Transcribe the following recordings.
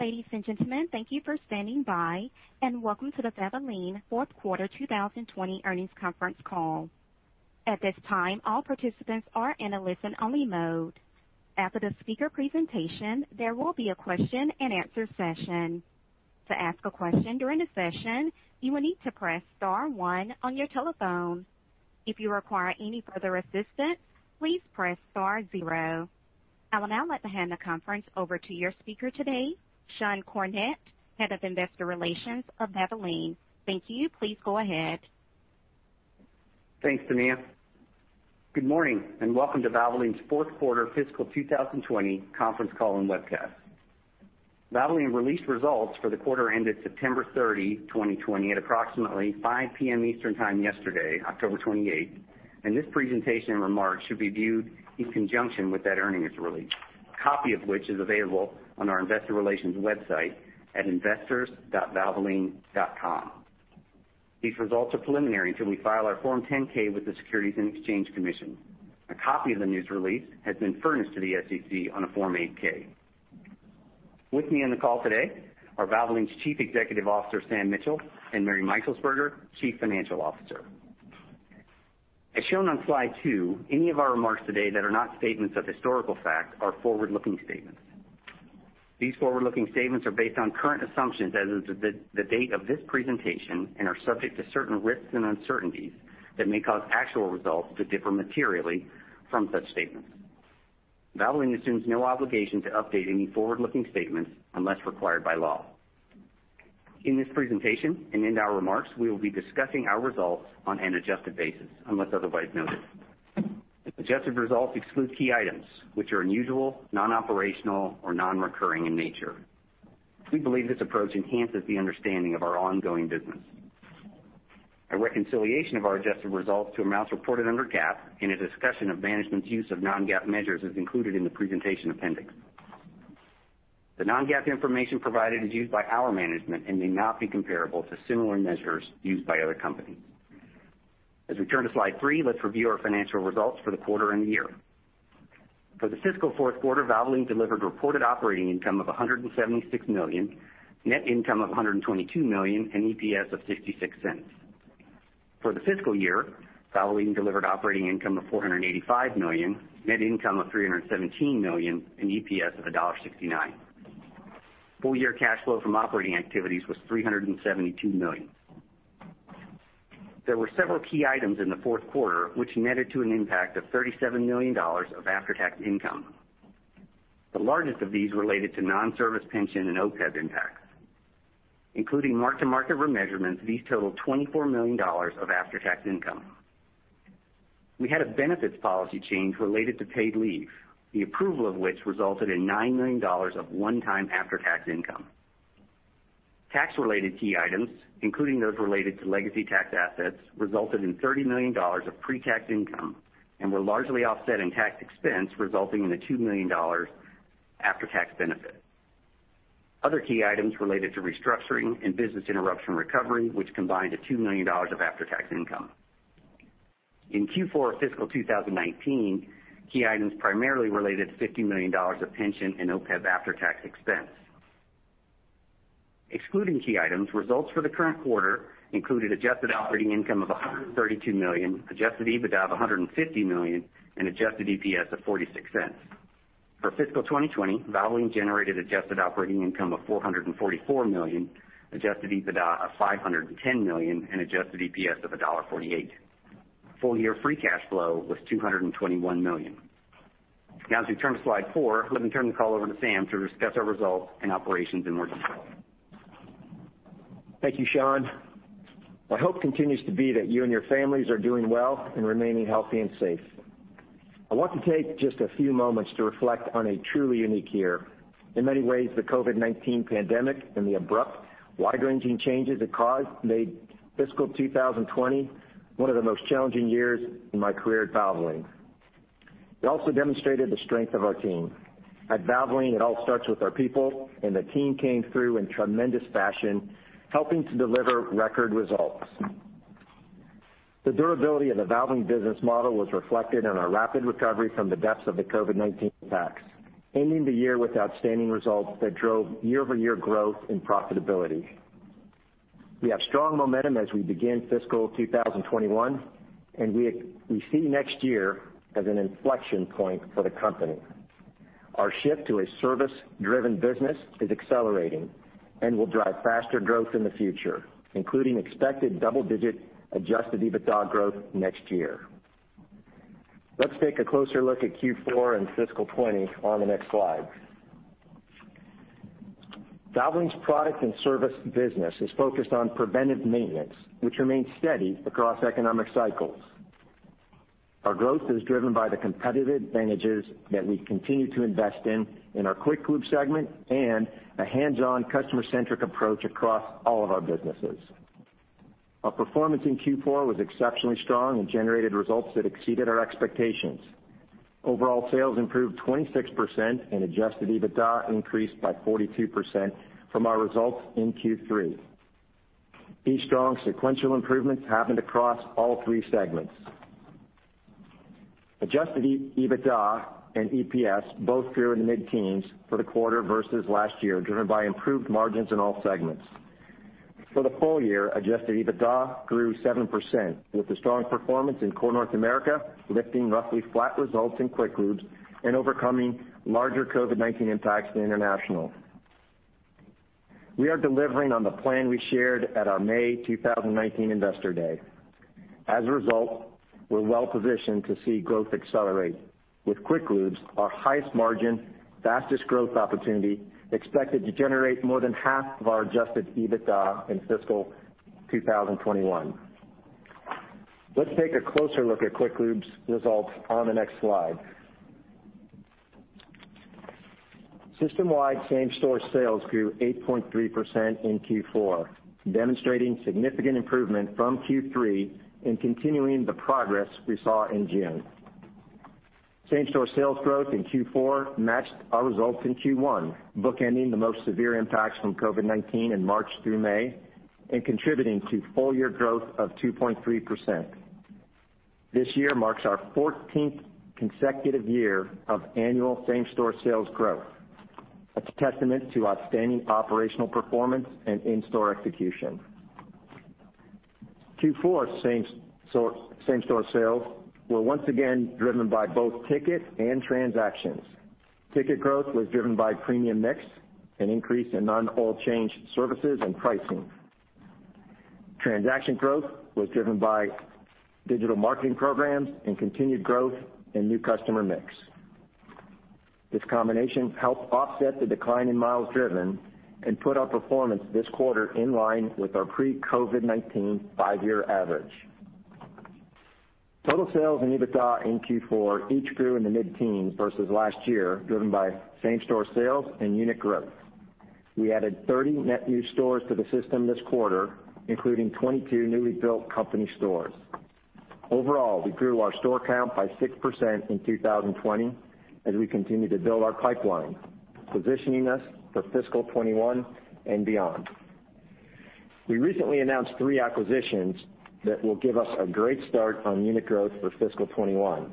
Ladies and gentlemen, thank you for standing by, and welcome to the Valvoline fourth quarter 2020 earnings conference call. At this time, all participants are in a listen-only mode. After the speaker presentation, there will be a question and answer session. To ask a question during the session, you will need to press star one on your telephone. If you require any further assistance, please press star zero. I will now hand the conference over to your speaker today, Sean Cornett, Head of Investor Relations of Valvoline. Thank you. Please go ahead. Thanks, Tamia. Good morning and welcome to Valvoline's fourth quarter fiscal 2020 conference call and webcast. Valvoline released results for the quarter ended September 30, 2020 at approximately 5:00 P.M. Eastern time yesterday, October 28th. This presentation and remarks should be viewed in conjunction with that earnings release, a copy of which is available on our investor relations website at investors.valvoline.com. These results are preliminary until we file our Form 10-K with the Securities and Exchange Commission. A copy of the news release has been furnished to the SEC on a Form 8-K. With me on the call today are Valvoline's Chief Executive Officer, Sam Mitchell, and Mary Meixelsperger, Chief Financial Officer. As shown on slide two, any of our remarks today that are not statements of historical fact are forward-looking statements. These forward-looking statements are based on current assumptions as of the date of this presentation and are subject to certain risks and uncertainties that may cause actual results to differ materially from such statements. Valvoline assumes no obligation to update any forward-looking statements unless required by law. In this presentation and in our remarks, we will be discussing our results on an adjusted basis unless otherwise noted. Adjusted results exclude key items which are unusual, non-operational, or non-recurring in nature. We believe this approach enhances the understanding of our ongoing business. A reconciliation of our adjusted results to amounts reported under GAAP and a discussion of management's use of non-GAAP measures is included in the presentation appendix. The non-GAAP information provided is used by our management and may not be comparable to similar measures used by other companies. As we turn to slide three, let's review our financial results for the quarter and the year. For the fiscal fourth quarter, Valvoline delivered reported operating income of $176 million, net income of $122 million, and EPS of $0.56. For the fiscal year, Valvoline delivered operating income of $485 million, net income of $317 million, and EPS of $1.69. Full-year cash flow from operating activities was $372 million. There were several key items in the fourth quarter, which netted to an impact of $37 million of after-tax income. The largest of these related to non-service pension and OPEB impacts. Including mark-to-market remeasurements, these totaled $24 million of after-tax income. We had a benefits policy change related to paid leave, the approval of which resulted in $9 million of one-time after-tax income. Tax-related key items, including those related to legacy tax assets, resulted in $30 million of pre-tax income and were largely offset in tax expense, resulting in a $2 million after-tax benefit. Other key items related to restructuring and business interruption recovery, which combined to $2 million of after-tax income. In Q4 of fiscal 2019, key items primarily related to $50 million of pension and OPEB after-tax expense. Excluding key items, results for the current quarter included adjusted operating income of $132 million, adjusted EBITDA of $150 million, and adjusted EPS of $0.46. For fiscal 2020, Valvoline generated adjusted operating income of $444 million, adjusted EBITDA of $510 million, and adjusted EPS of $1.48. Full-year free cash flow was $221 million. As we turn to slide four, let me turn the call over to Sam to discuss our results and operations in more detail. Thank you, Sean. My hope continues to be that you and your families are doing well and remaining healthy and safe. I want to take just a few moments to reflect on a truly unique year. In many ways, the COVID-19 pandemic and the abrupt, wide-ranging changes it caused made fiscal 2020 one of the most challenging years in my career at Valvoline. It also demonstrated the strength of our team. At Valvoline, it all starts with our people, and the team came through in tremendous fashion, helping to deliver record results. The durability of the Valvoline business model was reflected in our rapid recovery from the depths of the COVID-19 attacks, ending the year with outstanding results that drove year-over-year growth and profitability. We have strong momentum as we begin fiscal 2021, and we see next year as an inflection point for the company. Our shift to a service-driven business is accelerating and will drive faster growth in the future, including expected double-digit adjusted EBITDA growth next year. Let's take a closer look at Q4 and fiscal 2020 on the next slide. Valvoline's product and service business is focused on preventive maintenance, which remains steady across economic cycles. Our growth is driven by the competitive advantages that we continue to invest in in our Quick Lubes segment and a hands-on, customer-centric approach across all of our businesses. Our performance in Q4 was exceptionally strong and generated results that exceeded our expectations. Overall sales improved 26%, and adjusted EBITDA increased by 42% from our results in Q3. These strong sequential improvements happened across all three segments. Adjusted EBITDA and EPS both grew in the mid-teens for the quarter versus last year, driven by improved margins in all segments. For the full year, adjusted EBITDA grew 7%, with the strong performance in Core North America lifting roughly flat results in Quick Lubes and overcoming larger COVID-19 impacts in international. We are delivering on the plan we shared at our May 2019 Investor Day. As a result, we're well-positioned to see growth accelerate, with Quick Lubes, our highest margin, fastest growth opportunity, expected to generate more than half of our adjusted EBITDA in fiscal 2021. Let's take a closer look at Quick Lubes results on the next slide. System-wide same-store sales grew 8.3% in Q4, demonstrating significant improvement from Q3 and continuing the progress we saw in June. Same-store sales growth in Q4 matched our results in Q1, bookending the most severe impacts from COVID-19 in March through May and contributing to full-year growth of 2.3%. This year marks our 14th consecutive year of annual same-store sales growth. That's a testament to outstanding operational performance and in-store execution. Q4 same-store sales were once again driven by both ticket and transactions. Ticket growth was driven by premium mix, an increase in non-oil change services, and pricing. Transaction growth was driven by digital marketing programs and continued growth in new customer mix. This combination helped offset the decline in miles driven and put our performance this quarter in line with our pre-COVID-19 five-year average. Total sales and EBITDA in Q4 each grew in the mid-teens versus last year, driven by same-store sales and unit growth. We added 30 net new stores to the system this quarter, including 22 newly built company stores. Overall, we grew our store count by 6% in 2020 as we continue to build our pipeline, positioning us for fiscal 2021 and beyond. We recently announced three acquisitions that will give us a great start on unit growth for fiscal 2021.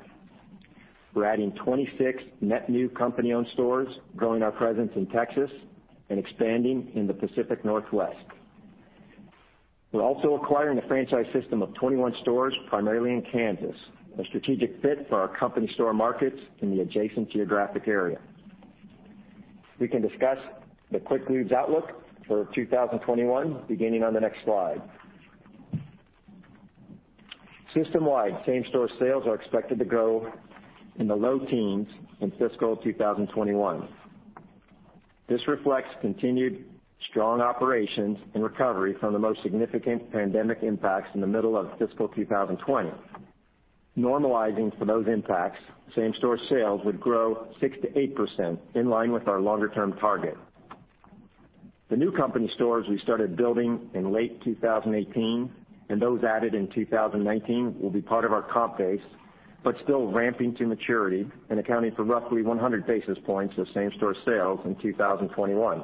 We're adding 26 net new company-owned stores, growing our presence in Texas and expanding in the Pacific Northwest. We're also acquiring a franchise system of 21 stores, primarily in Kansas, a strategic fit for our company store markets in the adjacent geographic area. We can discuss the Quick Lubes outlook for 2021 beginning on the next slide. System-wide same-store sales are expected to grow in the low teens in fiscal 2021. This reflects continued strong operations and recovery from the most significant pandemic impacts in the middle of fiscal 2020. Normalizing for those impacts, same-store sales would grow 6%-8%, in line with our longer-term target. The new company stores we started building in late 2018 and those added in 2019 will be part of our comp base, but still ramping to maturity and accounting for roughly 100 basis points of same-store sales in 2021.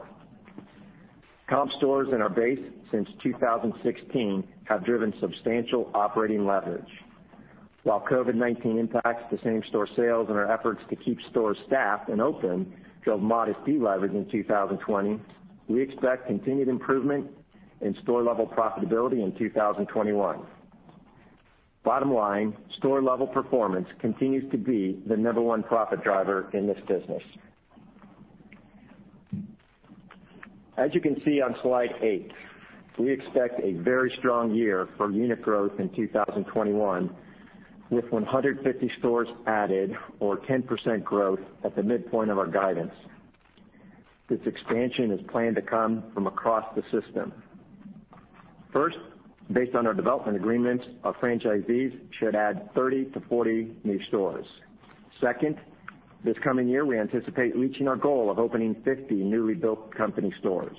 Comp stores in our base since 2016 have driven substantial operating leverage. While COVID-19 impacts to same-store sales and our efforts to keep stores staffed and open drove modest deleverage in 2020, we expect continued improvement in store-level profitability in 2021. Bottom line, store-level performance continues to be the number one profit driver in this business. As you can see on slide eight, we expect a very strong year for unit growth in 2021, with 150 stores added or 10% growth at the midpoint of our guidance. This expansion is planned to come from across the system. First, based on our development agreements, our franchisees should add 30-40 new stores. Second, this coming year, we anticipate reaching our goal of opening 50 newly built company stores.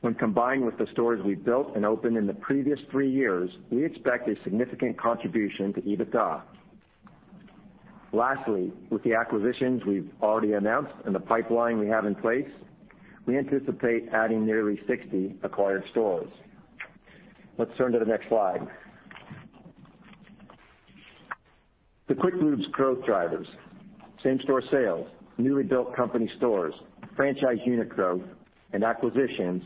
When combined with the stores we built and opened in the previous three years, we expect a significant contribution to EBITDA. Lastly, with the acquisitions we've already announced and the pipeline we have in place, we anticipate adding nearly 60 acquired stores. Let's turn to the next slide. The Quick Lubes growth drivers, same-store sales, newly built company stores, franchise unit growth, and acquisitions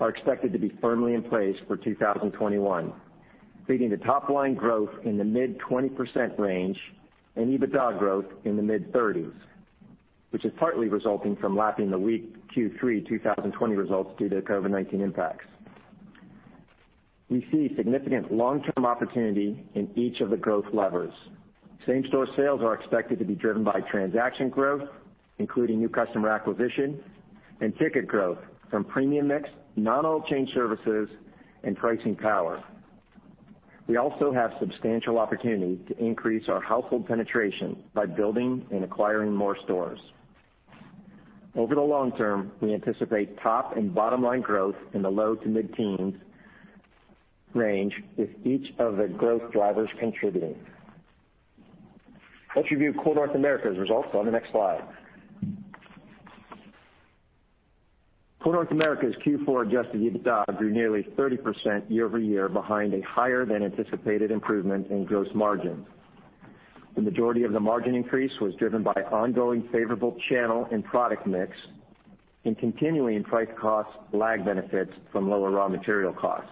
are expected to be firmly in place for 2021, leading to top-line growth in the mid-20% range and EBITDA growth in the mid-30s, which is partly resulting from lapping the weak Q3 2020 results due to COVID-19 impacts. We see significant long-term opportunity in each of the growth levers. Same-store sales are expected to be driven by transaction growth, including new customer acquisition and ticket growth from premium mix, non-oil change services, and pricing power. We also have substantial opportunity to increase our household penetration by building and acquiring more stores. Over the long term, we anticipate top and bottom-line growth in the low to mid-teens range, with each of the growth drivers contributing. Let's review Core North America's results on the next slide. Core North America's Q4 adjusted EBITDA grew nearly 30% year-over-year behind a higher than anticipated improvement in gross margin. The majority of the margin increase was driven by ongoing favorable channel and product mix and continuing price cost lag benefits from lower raw material costs.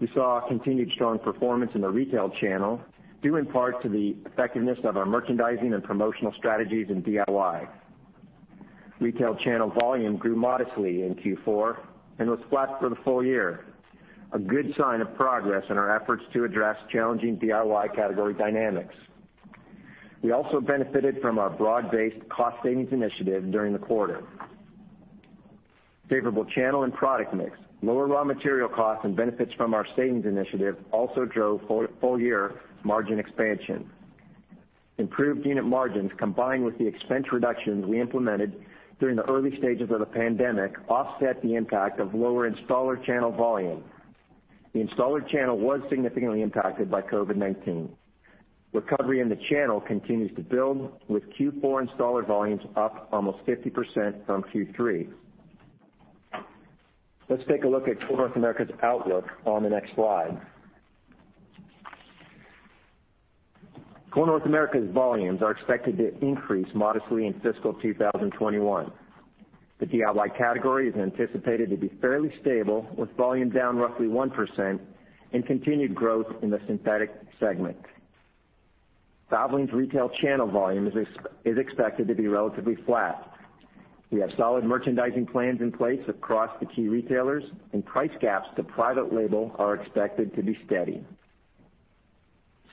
We saw continued strong performance in the retail channel, due in part to the effectiveness of our merchandising and promotional strategies in DIY. Retail channel volume grew modestly in Q4 and was flat for the full year, a good sign of progress in our efforts to address challenging DIY category dynamics. We also benefited from our broad-based cost savings initiative during the quarter. Favorable channel and product mix, lower raw material costs, and benefits from our savings initiative also drove full year margin expansion. Improved unit margins, combined with the expense reductions we implemented during the early stages of the pandemic, offset the impact of lower installer channel volume. The installer channel was significantly impacted by COVID-19. Recovery in the channel continues to build, with Q4 installer volumes up almost 50% from Q3. Let's take a look at Core North America's outlook on the next slide. Core North America's volumes are expected to increase modestly in fiscal 2021. The DIY category is anticipated to be fairly stable, with volume down roughly 1% and continued growth in the synthetic segment. Valvoline's retail channel volume is expected to be relatively flat. We have solid merchandising plans in place across the key retailers and price gaps to private label are expected to be steady.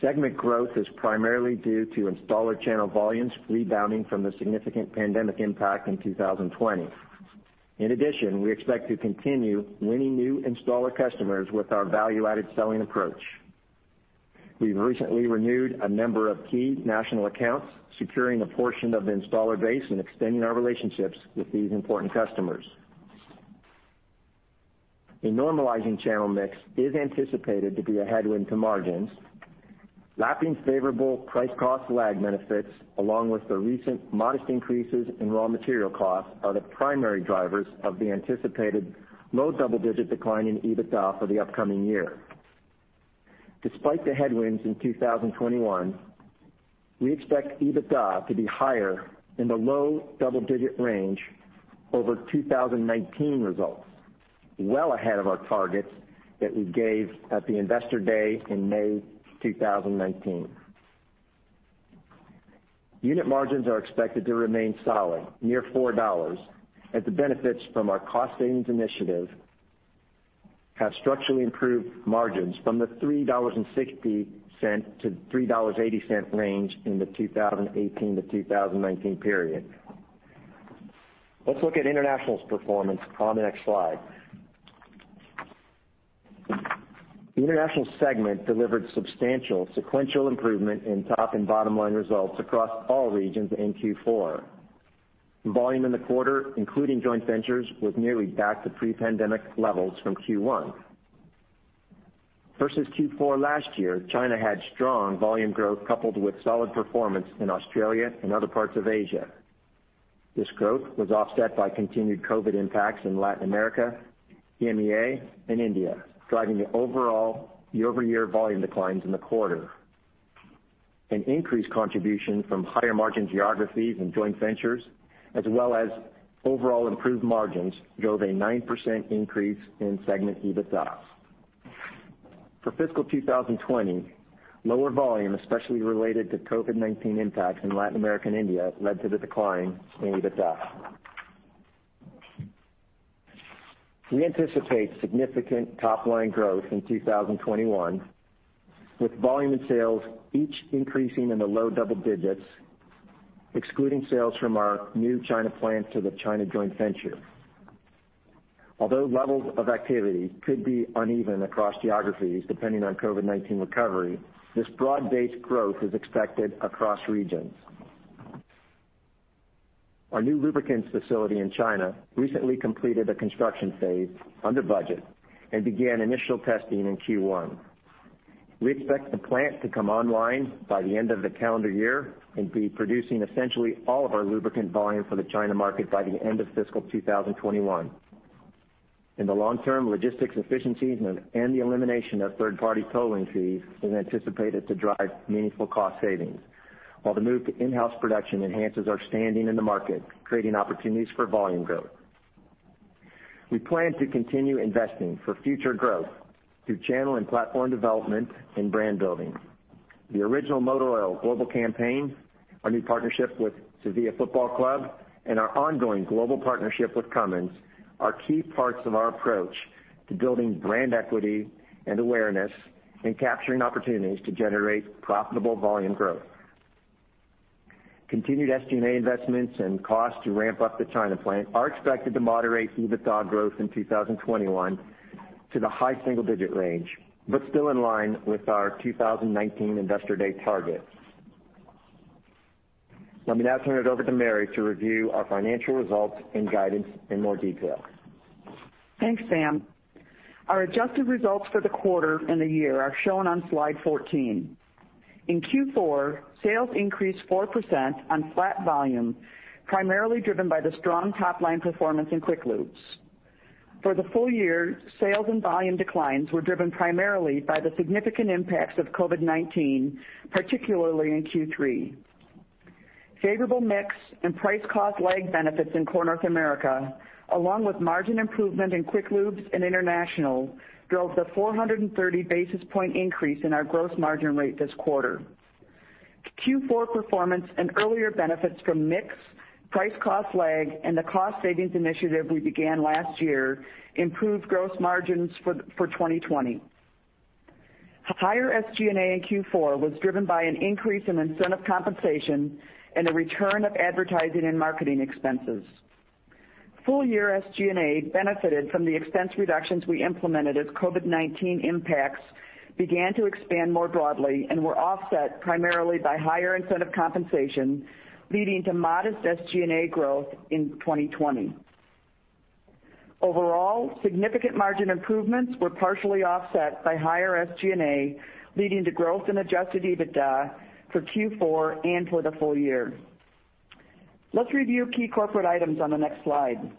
Segment growth is primarily due to installer channel volumes rebounding from the significant pandemic impact in 2020. In addition, we expect to continue winning new installer customers with our value-added selling approach. We've recently renewed a number of key national accounts, securing a portion of the installer base and extending our relationships with these important customers. A normalizing channel mix is anticipated to be a headwind to margins. Lapping favorable price cost lag benefits, along with the recent modest increases in raw material costs, are the primary drivers of the anticipated low double-digit decline in EBITDA for the upcoming year. Despite the headwinds in 2021, we expect EBITDA to be higher in the low double-digit range over 2019 results, well ahead of our targets that we gave at the Investor Day in May 2019. Unit margins are expected to remain solid, near $4, as the benefits from our cost savings initiative have structurally improved margins from the $3.60 to $3.80 range in the 2018 to 2019 period. Let's look at International's performance on the next slide. The International segment delivered substantial sequential improvement in top and bottom line results across all regions in Q4. Volume in the quarter, including joint ventures, was nearly back to pre-pandemic levels from Q1. Versus Q4 last year, China had strong volume growth coupled with solid performance in Australia and other parts of Asia. This growth was offset by continued COVID-19 impacts in Latin America, EMEA, and India, driving the overall year-over-year volume declines in the quarter. An increased contribution from higher margin geographies and joint ventures, as well as overall improved margins, drove a 9% increase in segment EBITDA. For fiscal 2020, lower volume, especially related to COVID-19 impacts in Latin America and India, led to the decline in EBITDA. We anticipate significant top-line growth in 2021, with volume and sales each increasing in the low double digits, excluding sales from our new China plant to the China joint venture. Although levels of activity could be uneven across geographies depending on COVID-19 recovery, this broad-based growth is expected across regions. Our new lubricants facility in China recently completed a construction phase under budget and began initial testing in Q1. We expect the plant to come online by the end of the calendar year and be producing essentially all of our lubricant volume for the China market by the end of fiscal 2021. In the long term, logistics efficiencies and the elimination of third-party tolling fees is anticipated to drive meaningful cost savings, while the move to in-house production enhances our standing in the market, creating opportunities for volume growth. We plan to continue investing for future growth through channel and platform development and brand building. The Original Motor Oil global campaign, our new partnership with Sevilla FC, and our ongoing global partnership with Cummins are key parts of our approach to building brand equity and awareness and capturing opportunities to generate profitable volume growth. Continued SG&A investments and costs to ramp up the China plant are expected to moderate EBITDA growth in 2021 to the high single-digit range, but still in line with our 2019 Investor Day targets. Let me now turn it over to Mary to review our financial results and guidance in more detail. Thanks, Sam. Our adjusted results for the quarter and the year are shown on slide 14. In Q4, sales increased 4% on flat volume, primarily driven by the strong top-line performance in Quick Lubes. For the full year, sales and volume declines were driven primarily by the significant impacts of COVID-19, particularly in Q3. Favorable mix and price cost lag benefits in Core North America, along with margin improvement in Quick Lubes and International, drove the 430 basis point increase in our gross margin rate this quarter. Q4 performance and earlier benefits from mix, price cost lag, and the cost savings initiative we began last year improved gross margins for 2020. Higher SG&A in Q4 was driven by an increase in incentive compensation and a return of advertising and marketing expenses. Full-year SG&A benefited from the expense reductions we implemented as COVID-19 impacts began to expand more broadly and were offset primarily by higher incentive compensation, leading to modest SG&A growth in 2020. Overall, significant margin improvements were partially offset by higher SG&A, leading to growth in adjusted EBITDA for Q4 and for the full year. Let's review key corporate items on the next slide.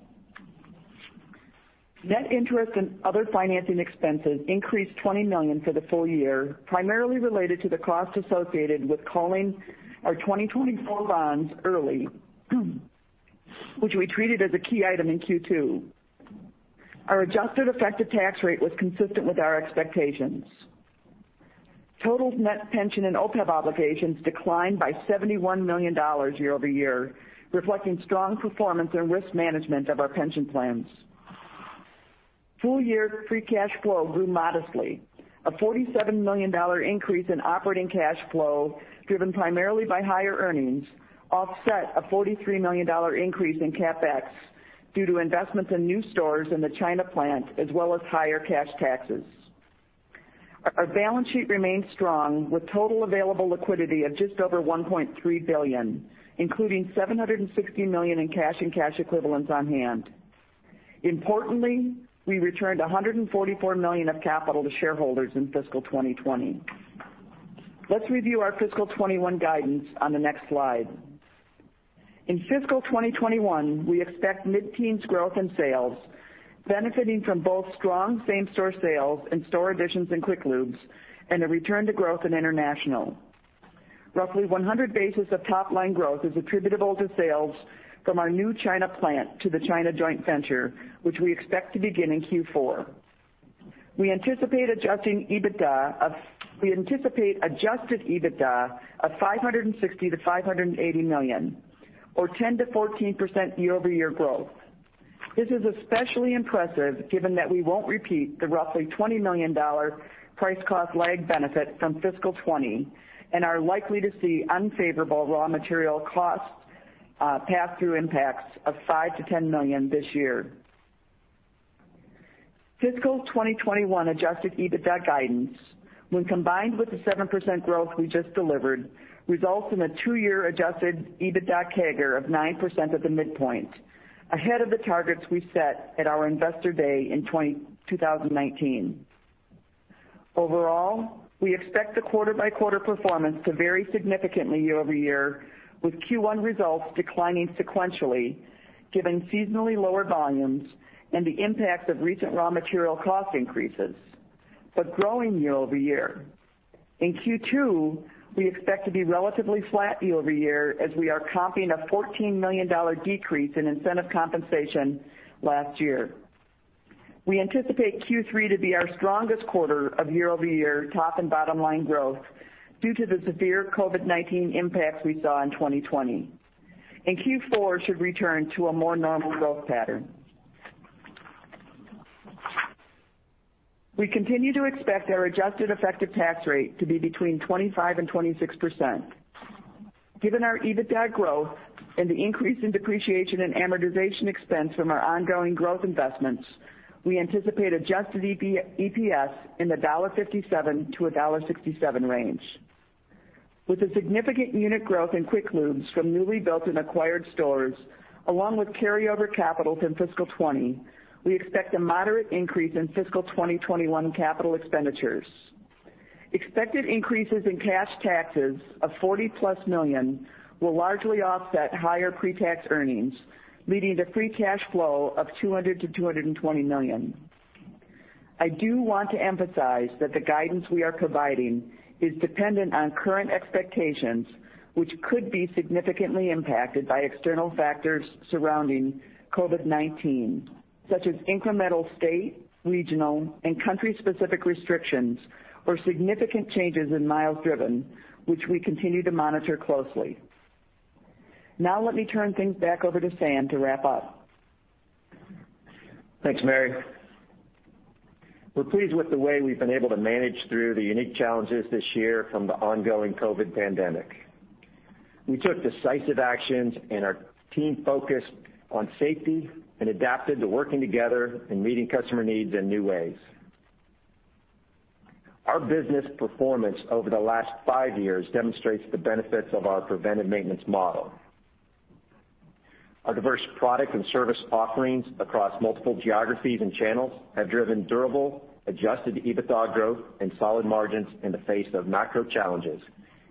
Net interest and other financing expenses increased $20 million for the full year, primarily related to the cost associated with calling our 2024 bonds early, which we treated as a key item in Q2. Our adjusted effective tax rate was consistent with our expectations. Total net pension and OPEB obligations declined by $71 million year-over-year, reflecting strong performance and risk management of our pension plans. Full-year free cash flow grew modestly. A $47 million increase in operating cash flow, driven primarily by higher earnings, offset a $43 million increase in CapEx due to investments in new stores in the China plant, as well as higher cash taxes. Our balance sheet remains strong, with total available liquidity of just over $1.3 billion, including $760 million in cash and cash equivalents on hand. Importantly, we returned $144 million of capital to shareholders in fiscal 2020. Let's review our fiscal 2021 guidance on the next slide. In fiscal 2021, we expect mid-teens growth in sales, benefiting from both strong same-store sales and store additions in Quick Lubes, and a return to growth in international. Roughly 100 basis points of top-line growth is attributable to sales from our new China plant to the China joint venture, which we expect to begin in Q4. We anticipate adjusted EBITDA of $560 million-$580 million, or 10%-14% year-over-year growth. This is especially impressive given that we won't repeat the roughly $20 million price cost lag benefit from fiscal 2020 and are likely to see unfavorable raw material cost pass-through impacts of $5 million-$10 million this year. Fiscal 2021 adjusted EBITDA guidance, when combined with the 7% growth we just delivered, results in a two-year adjusted EBITDA CAGR of 9% at the midpoint, ahead of the targets we set at our Investor Day in 2019. Overall, we expect the quarter-by-quarter performance to vary significantly year-over-year, with Q1 results declining sequentially, given seasonally lower volumes and the impacts of recent raw material cost increases, but growing year-over-year. In Q2, we expect to be relatively flat year-over-year as we are comping a $14 million decrease in incentive compensation last year. We anticipate Q3 to be our strongest quarter of year-over-year top and bottom line growth due to the severe COVID-19 impacts we saw in 2020. Q4 should return to a more normal growth pattern. We continue to expect our adjusted effective tax rate to be between 25%-26%. Given our EBITDA growth and the increase in depreciation and amortization expense from our ongoing growth investments, we anticipate adjusted EPS in the $1.57-$1.67 range. With the significant unit growth in Quick Lubes from newly built and acquired stores, along with carryover capitals in fiscal 2020, we expect a moderate increase in fiscal 2021 capital expenditures. Expected increases in cash taxes of $40 million-plus will largely offset higher pre-tax earnings, leading to free cash flow of $200 million-$220 million. I do want to emphasize that the guidance we are providing is dependent on current expectations, which could be significantly impacted by external factors surrounding COVID-19, such as incremental state, regional, and country-specific restrictions or significant changes in miles driven, which we continue to monitor closely. Let me turn things back over to Sam to wrap up. Thanks, Mary. We're pleased with the way we've been able to manage through the unique challenges this year from the ongoing COVID pandemic. We took decisive actions and our team focused on safety and adapted to working together and meeting customer needs in new ways. Our business performance over the last five years demonstrates the benefits of our preventive maintenance model. Our diverse product and service offerings across multiple geographies and channels have driven durable, adjusted EBITDA growth and solid margins in the face of macro challenges,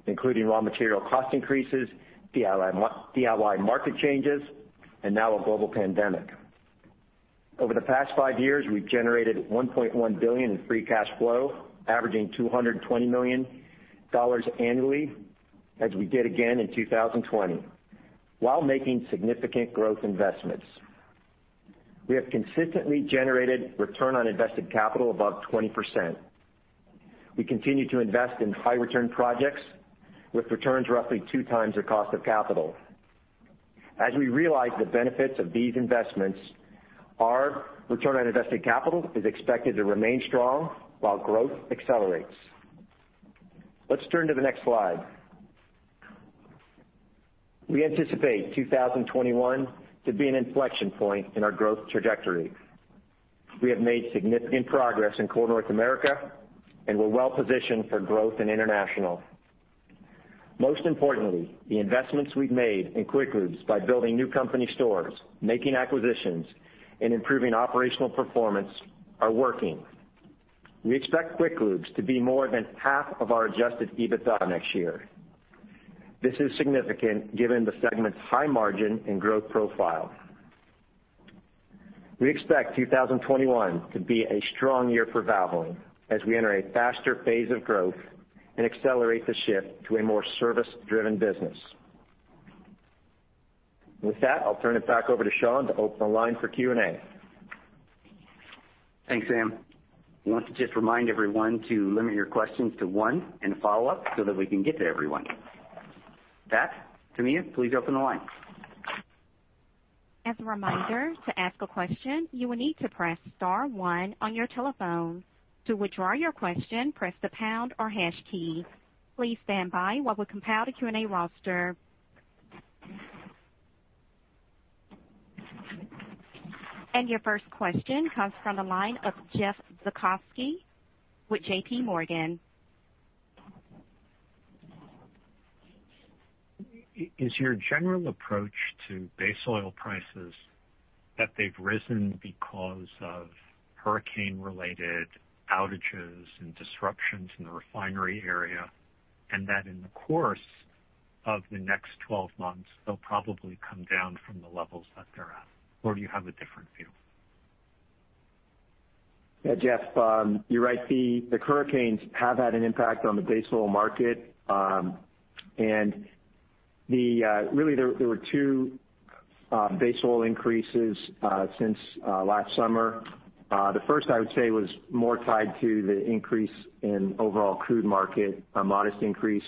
including raw material cost increases, DIY market changes, and now a global pandemic. Over the past five years, we've generated $1.1 billion in free cash flow, averaging $220 million annually, as we did again in 2020, while making significant growth investments. We have consistently generated return on invested capital above 20%. We continue to invest in high return projects with returns roughly two times the cost of capital. As we realize the benefits of these investments, our return on invested capital is expected to remain strong while growth accelerates. Let's turn to the next slide. We anticipate 2021 to be an inflection point in our growth trajectory. We have made significant progress in Core North America, and we're well-positioned for growth in international. Most importantly, the investments we've made in Quick Lubes by building new company stores, making acquisitions, and improving operational performance are working. We expect Quick Lubes to be more than half of our adjusted EBITDA next year. This is significant given the segment's high margin and growth profile. We expect 2021 to be a strong year for Valvoline as we enter a faster phase of growth and accelerate the shift to a more service-driven business. With that, I'll turn it back over to Sean to open the line for Q&A. Thanks, Sam. I want to just remind everyone to limit your questions to one and a follow-up so that we can get to everyone. With that, Tamia, please open the line. As a reminder, to ask a question, you will need to press *1 on your telephone. To withdraw your question, press the pound or hash key. Please stand by while we compile the Q&A roster. Your first question comes from the line of Jeff Zekauskas with JPMorgan. Is your general approach to base oil prices that they've risen because of hurricane related outages and disruptions in the refinery area, and that in the course of the next 12 months, they'll probably come down from the levels that they're at, or do you have a different view? Yeah, Jeff. You're right. The hurricanes have had an impact on the base oil market. Really, there were two base oil increases since last summer. The first, I would say, was more tied to the increase in overall crude market, a modest increase,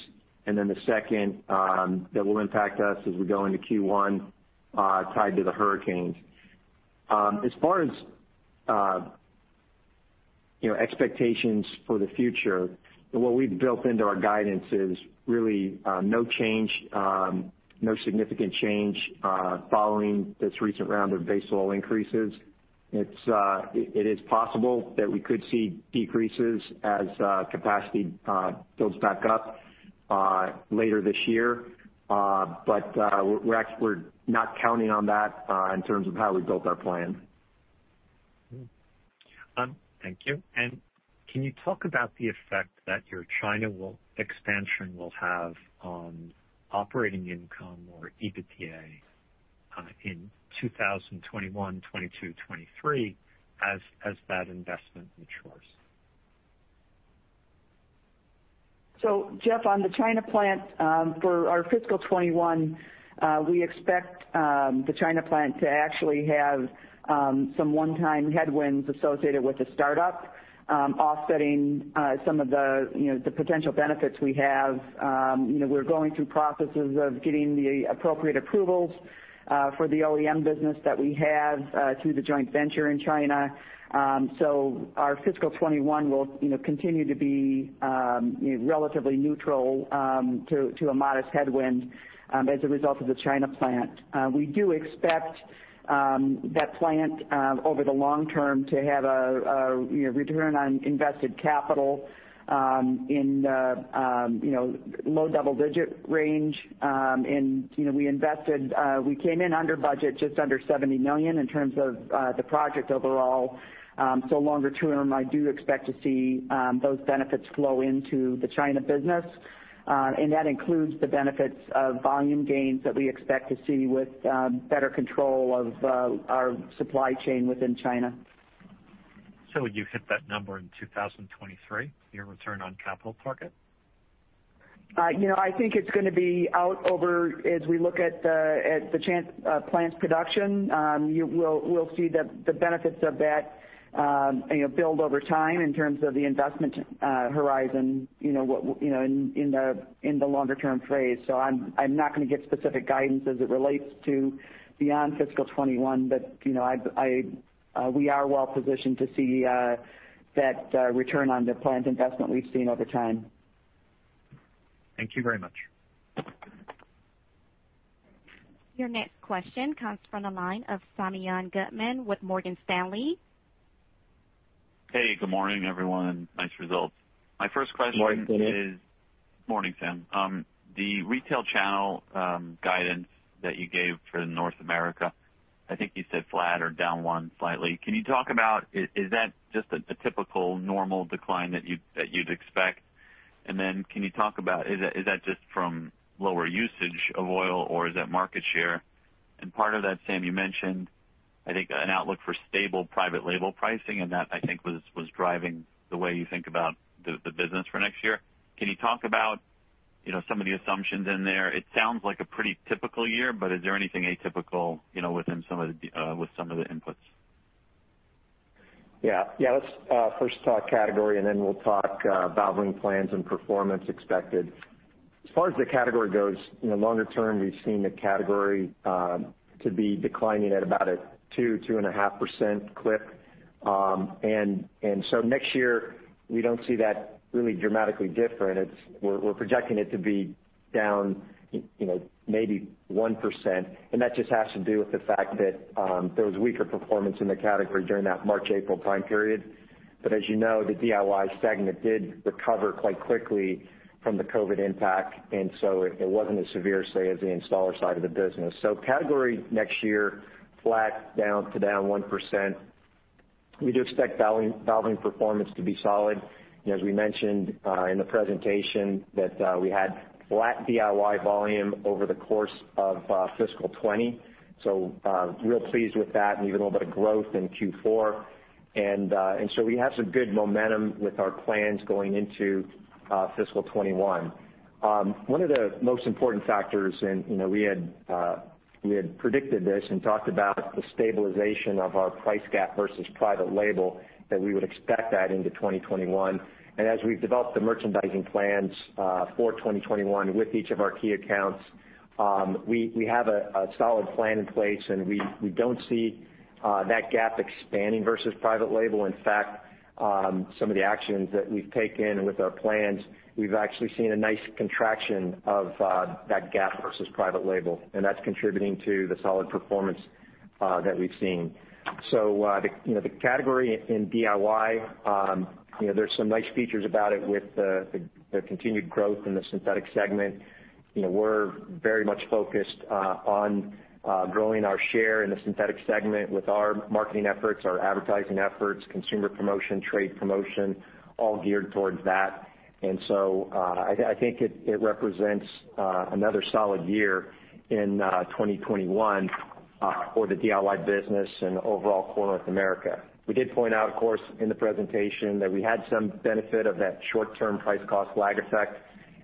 and then the second that will impact us as we go into Q1, tied to the hurricanes. As far as expectations for the future, what we've built into our guidance is really no significant change following this recent round of base oil increases. It is possible that we could see decreases as capacity builds back up later this year. We're not counting on that in terms of how we built our plan. Thank you. Can you talk about the effect that your China expansion will have on operating income or EBITDA in 2021, 2022, 2023 as that investment matures? Jeff, on the China plant, for our fiscal 2021, we expect the China plant to actually have some one-time headwinds associated with the startup, offsetting some of the potential benefits we have. We're going through processes of getting the appropriate approvals for the OEM business that we have through the joint venture in China. Our fiscal 2021 will continue to be relatively neutral to a modest headwind as a result of the China plant. We do expect that plant, over the long term, to have a return on invested capital in low double-digit range. We came in under budget, just under $70 million in terms of the project overall. Longer term, I do expect to see those benefits flow into the China business, and that includes the benefits of volume gains that we expect to see with better control of our supply chain within China. Would you hit that number in 2023, your return on capital target? I think it's going to be out over as we look at the plant's production. We'll see the benefits of that build over time in terms of the investment horizon in the longer-term phase. I'm not going to give specific guidance as it relates to beyond fiscal 2021. We are well positioned to see that return on the plant investment we've seen over time. Thank you very much. Your next question comes from the line of Simeon Gutman with Morgan Stanley. Hey, good morning, everyone. Nice results. My first question is Morning, Simeon. Morning, Sam. The retail channel guidance that you gave for North America, I think you said flat or down one slightly. Can you talk about, is that just a typical normal decline that you'd expect? Can you talk about, is that just from lower usage of oil or is that market share? Part of that, Sam, you mentioned, I think, an outlook for stable private label pricing, and that, I think, was driving the way you think about the business for next year. Can you talk about some of the assumptions in there? It sounds like a pretty typical year, but is there anything atypical with some of the inputs? Yeah. Let's first talk category. Then we'll talk Valvoline plans and performance expected. As far as the category goes, longer term, we've seen the category to be declining at about a 2%, 2.5% clip. Next year, we don't see that really dramatically different. We're projecting it to be down maybe 1%, and that just has to do with the fact that there was weaker performance in the category during that March, April time period. As you know, the DIY segment did recover quite quickly from the COVID impact. It wasn't as severe, say, as the installer side of the business. Category next year, flat to down 1%. We do expect Valvoline performance to be solid. As we mentioned in the presentation that we had flat DIY volume over the course of fiscal 2020. Real pleased with that and even a little bit of growth in Q4. We have some good momentum with our plans going into fiscal 2021. One of the most important factors, and we had predicted this and talked about the stabilization of our price gap versus private label, that we would expect that into 2021. As we've developed the merchandising plans for 2021 with each of our key accounts, we have a solid plan in place, and we don't see that gap expanding versus private label. In fact, some of the actions that we've taken with our plans, we've actually seen a nice contraction of that gap versus private label, and that's contributing to the solid performance that we've seen. The category in DIY, there's some nice features about it with the continued growth in the synthetic segment. We're very much focused on growing our share in the synthetic segment with our marketing efforts, our advertising efforts, consumer promotion, trade promotion, all geared towards that. I think it represents another solid year in 2021 for the DIY business and overall Core North America. We did point out, of course, in the presentation that we had some benefit of that short-term price cost lag effect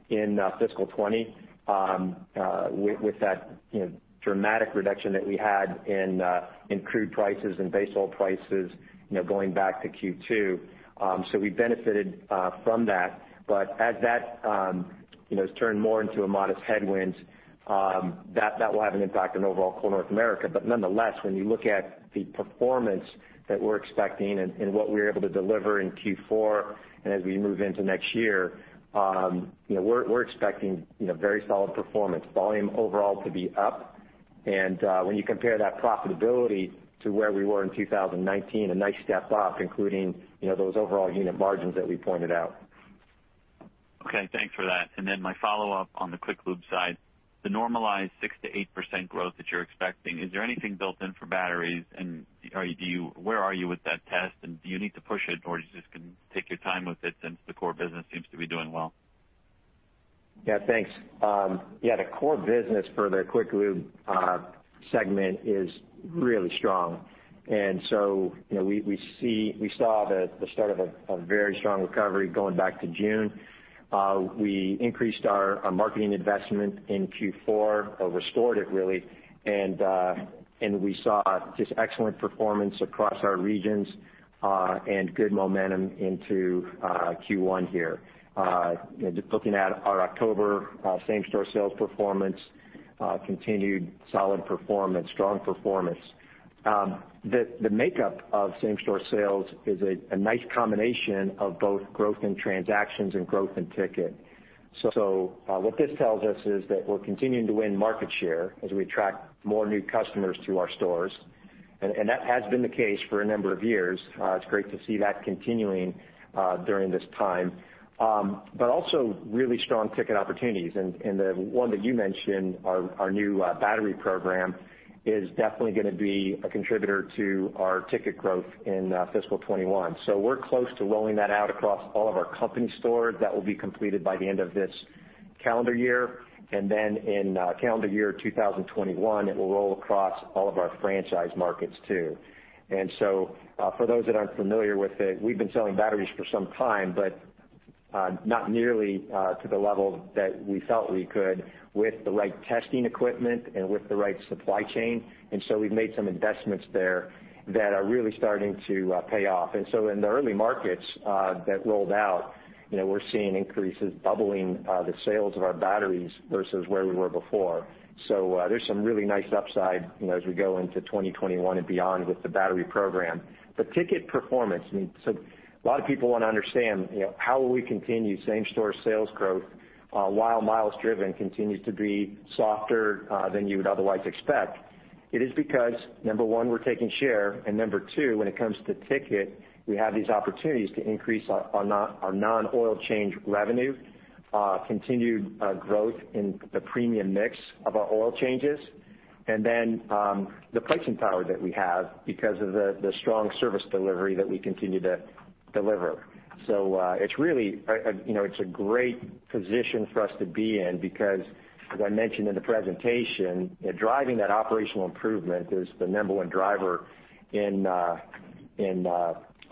in fiscal 2020 with that dramatic reduction that we had in crude prices and base oil prices going back to Q2. We benefited from that. As that has turned more into a modest headwind, that will have an impact on overall Core North America. Nonetheless, when you look at the performance that we're expecting and what we were able to deliver in Q4 and as we move into next year, we're expecting very solid performance, volume overall to be up. When you compare that profitability to where we were in 2019, a nice step up, including those overall unit margins that we pointed out. Okay, thanks for that. Then my follow-up on the Quick Lube side, the normalized 6%-8% growth that you're expecting, is there anything built in for batteries? Where are you with that test, and do you need to push it, or you just can take your time with it since the core business seems to be doing well? Thanks. The core business for the Quick Lube segment is really strong, we saw the start of a very strong recovery going back to June. We increased our marketing investment in Q4, or restored it, really, and we saw just excellent performance across our regions and good momentum into Q1 here. Just looking at our October same-store sales performance, continued solid performance, strong performance. The makeup of same-store sales is a nice combination of both growth in transactions and growth in ticket. What this tells us is that we're continuing to win market share as we attract more new customers to our stores, and that has been the case for a number of years. It's great to see that continuing during this time. Also really strong ticket opportunities. The one that you mentioned, our new battery program, is definitely going to be a contributor to our ticket growth in fiscal 2021. We're close to rolling that out across all of our company stores. That will be completed by the end of this calendar year. In calendar year 2021, it will roll across all of our franchise markets, too. For those that aren't familiar with it, we've been selling batteries for some time, but not nearly to the level that we felt we could with the right testing equipment and with the right supply chain. We've made some investments there that are really starting to pay off. In the early markets that rolled out, we're seeing increases, doubling the sales of our batteries versus where we were before. There's some really nice upside as we go into 2021 and beyond with the battery program. The ticket performance, so a lot of people want to understand how will we continue same-store sales growth. While miles driven continues to be softer than you would otherwise expect, it is because, number 1, we're taking share, and number 2, when it comes to ticket, we have these opportunities to increase our non-oil change revenue, continued growth in the premium mix of our oil changes, and then the pricing power that we have because of the strong service delivery that we continue to deliver. It's a great position for us to be in because, as I mentioned in the presentation, driving that operational improvement is the number 1 driver in our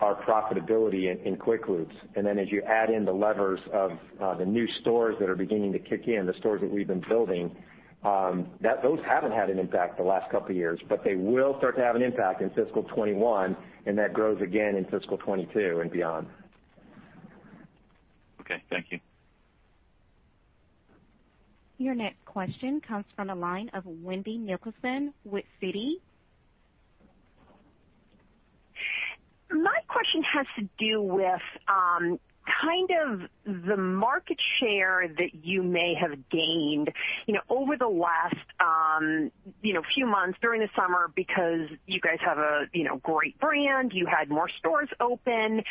profitability in Quick Lubes. As you add in the levers of the new stores that are beginning to kick in, the stores that we've been building, those haven't had an impact the last couple of years, but they will start to have an impact in fiscal 2021, and that grows again in fiscal 2022 and beyond. Okay, thank you. Your next question comes from the line of Wendy Nicholson with Citi. My question has to do with the market share that you may have gained over the last few months during the summer because you guys have a great brand. You had more stores open.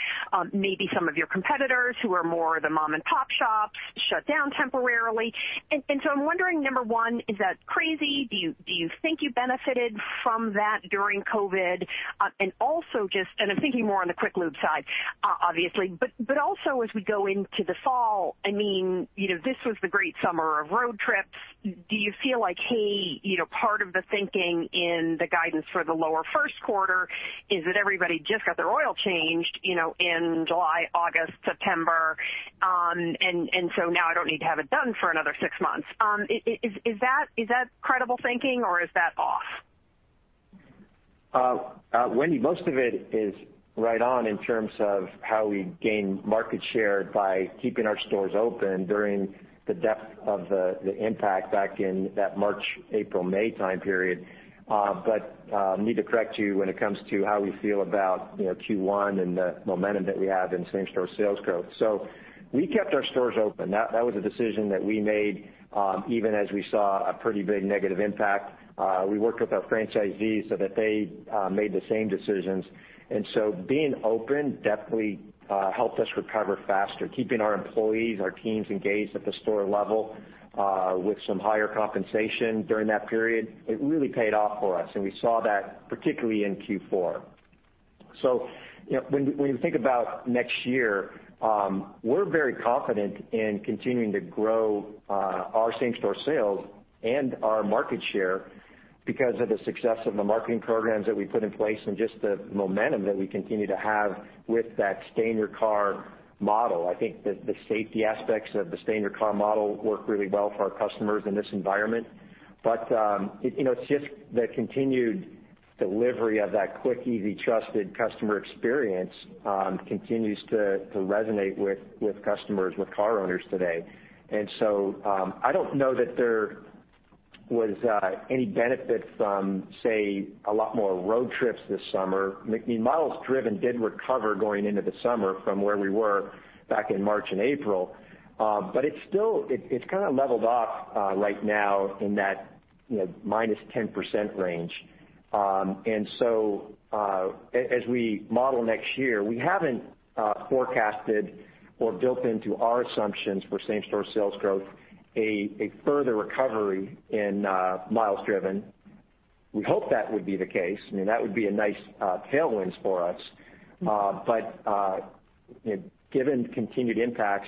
Maybe some of your competitors who are more the mom-and-pop shops shut down temporarily. I'm wondering, number one, is that crazy? Do you think you benefited from that during COVID? I'm thinking more on the Quick Lube side, obviously. As we go into the fall, this was the great summer of road trips. Do you feel like part of the thinking in the guidance for the lower first quarter is that everybody just got their oil changed in July, August, September, now I don't need to have it done for another 6 months. Is that credible thinking, or is that off? Wendy, most of it is right on in terms of how we gain market share by keeping our stores open during the depth of the impact back in that March, April, May time period. I need to correct you when it comes to how we feel about Q1 and the momentum that we have in same-store sales growth. We kept our stores open. That was a decision that we made, even as we saw a pretty big negative impact. We worked with our franchisees so that they made the same decisions. Being open definitely helped us recover faster, keeping our employees, our teams engaged at the store level, with some higher compensation during that period. It really paid off for us, and we saw that particularly in Q4. When you think about next year, we're very confident in continuing to grow our same-store sales and our market share because of the success of the marketing programs that we put in place and just the momentum that we continue to have with that stay-in-your-car model. I think the safety aspects of the stay-in-your-car model work really well for our customers in this environment. It's just the continued delivery of that quick, easy, trusted customer experience continues to resonate with customers, with car owners today. I don't know that there was any benefit from, say, a lot more road trips this summer. Miles driven did recover going into the summer from where we were back in March and April. It's kind of leveled off right now in that -10% range. As we model next year, we haven't forecasted or built into our assumptions for same-store sales growth a further recovery in miles driven. We hope that would be the case. That would be a nice tailwind for us. Given continued impacts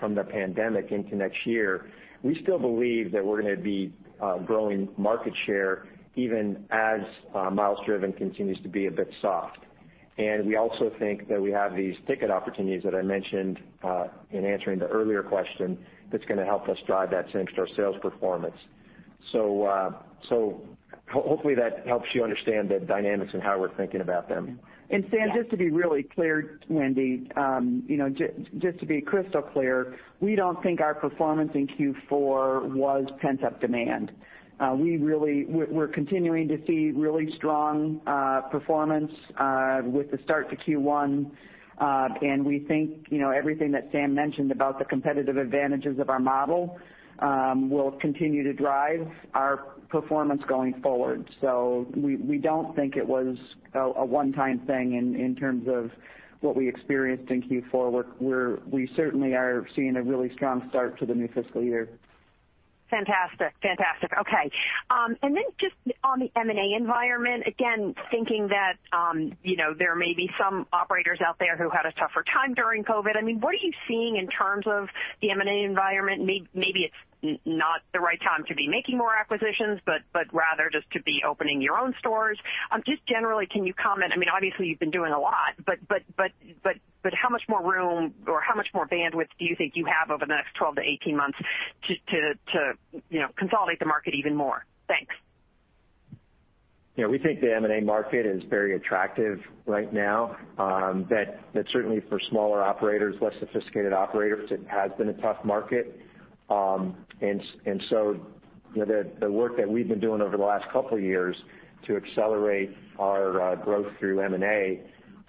from the pandemic into next year, we still believe that we're going to be growing market share even as miles driven continues to be a bit soft. We also think that we have these ticket opportunities that I mentioned in answering the earlier question that's going to help us drive that same-store sales performance. Hopefully that helps you understand the dynamics and how we're thinking about them. Sam, just to be really clear, Wendy, just to be crystal clear, we don't think our performance in Q4 was pent-up demand. We're continuing to see really strong performance with the start to Q1, and we think everything that Sam mentioned about the competitive advantages of our model will continue to drive our performance going forward. We don't think it was a one-time thing in terms of what we experienced in Q4. We certainly are seeing a really strong start to the new fiscal year. Fantastic. Okay. Just on the M&A environment, again, thinking that there may be some operators out there who had a tougher time during COVID. What are you seeing in terms of the M&A environment? Maybe it's not the right time to be making more acquisitions, but rather just to be opening your own stores. Generally, can you comment? Obviously, you've been doing a lot, but how much more room or how much more bandwidth do you think you have over the next 12 to 18 months to consolidate the market even more? Thanks. We think the M&A market is very attractive right now. That certainly for smaller operators, less sophisticated operators, it has been a tough market. The work that we've been doing over the last couple of years to accelerate our growth through M&A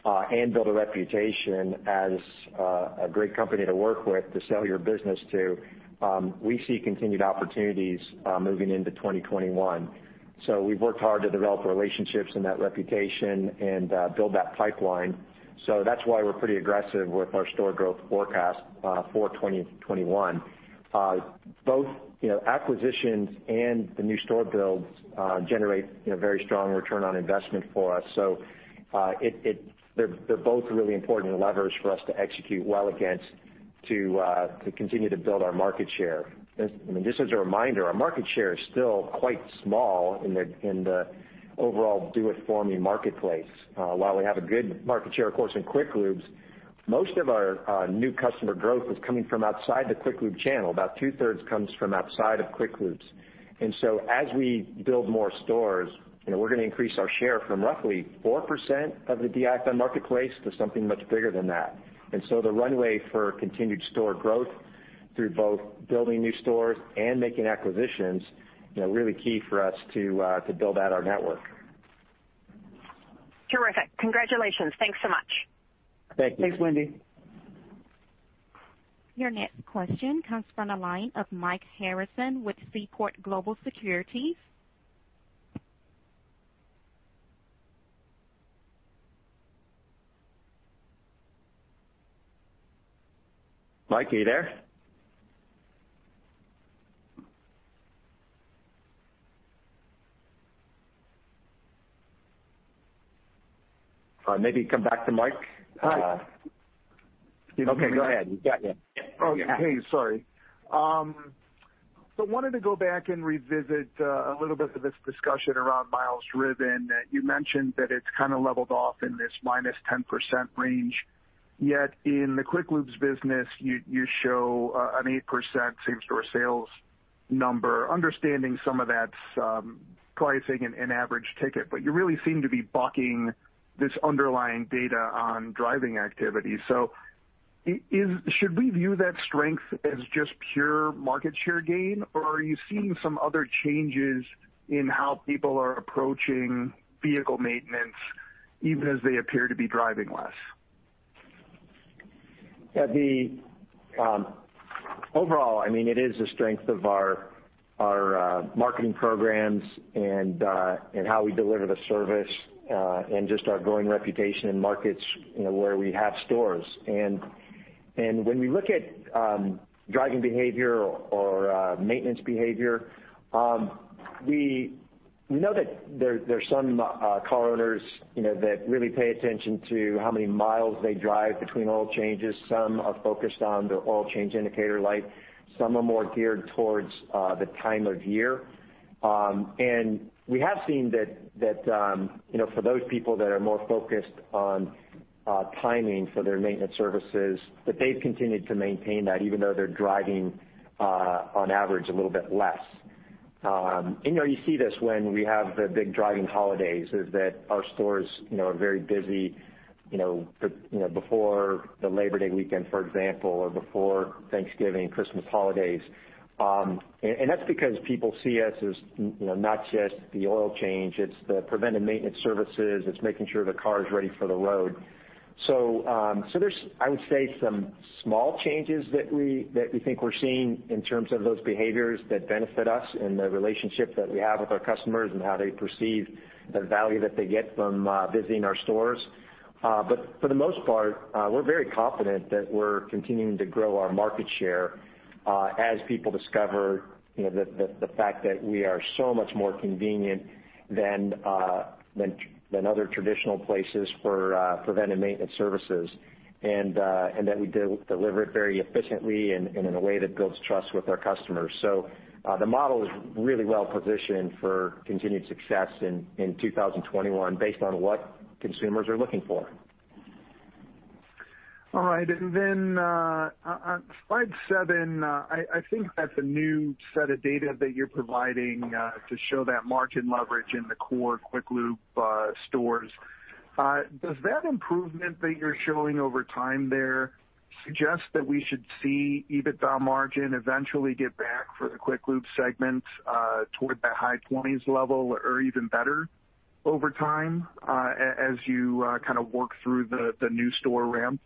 and build a reputation as a great company to work with, to sell your business to, we see continued opportunities moving into 2021. We've worked hard to develop relationships and that reputation and build that pipeline. That's why we're pretty aggressive with our store growth forecast for 2021. Both acquisitions and the new store builds generate very strong return on investment for us. They're both really important levers for us to execute well against to continue to build our market share. Just as a reminder, our market share is still quite small in the overall do-it-for-me marketplace. While we have a good market share, of course, in Quick Lubes, most of our new customer growth is coming from outside the Quick Lube channel. About two-thirds comes from outside of Quick Lubes. As we build more stores, we're going to increase our share from roughly 4% of the DIY marketplace to something much bigger than that. The runway for continued store growth through both building new stores and making acquisitions, really key for us to build out our network. Terrific. Congratulations. Thanks so much. Thank you. Thanks, Wendy. Your next question comes from the line of Mike Harrison with Seaport Global Securities. Mike, are you there? Maybe come back to Mike. Hi. Okay, go ahead. We've got you. Oh, yeah. Hey, sorry. Wanted to go back and revisit a little bit of this discussion around miles driven. You mentioned that it's kind of leveled off in this minus 10% range. Yet in the Quick Lubes business, you show an 8% same-store sales number, understanding some of that's pricing and average ticket. You really seem to be bucking this underlying data on driving activity. Should we view that strength as just pure market share gain, or are you seeing some other changes in how people are approaching vehicle maintenance, even as they appear to be driving less? Overall, it is the strength of our marketing programs and how we deliver the service, and just our growing reputation in markets where we have stores. When we look at driving behavior or maintenance behavior, we know that there's some car owners that really pay attention to how many miles they drive between oil changes. Some are focused on their oil change indicator light. Some are more geared towards the time of year. We have seen that for those people that are more focused on timing for their maintenance services, that they've continued to maintain that even though they're driving on average a little bit less. You see this when we have the big driving holidays, is that our stores are very busy before the Labor Day weekend, for example, or before Thanksgiving, Christmas holidays. That's because people see us as not just the oil change, it's the preventive maintenance services, it's making sure the car is ready for the road. There's, I would say, some small changes that we think we're seeing in terms of those behaviors that benefit us and the relationship that we have with our customers and how they perceive the value that they get from visiting our stores. For the most part, we're very confident that we're continuing to grow our market share as people discover the fact that we are so much more convenient than other traditional places for preventive maintenance services, and that we deliver it very efficiently and in a way that builds trust with our customers. The model is really well positioned for continued success in 2021 based on what consumers are looking for. All right. On slide seven, I think that's a new set of data that you're providing to show that margin leverage in the core Quick Lube stores. Does that improvement that you're showing over time there suggest that we should see EBITDA margin eventually get back for the Quick Lube segments toward the high 20s level or even better over time as you kind of work through the new store ramp?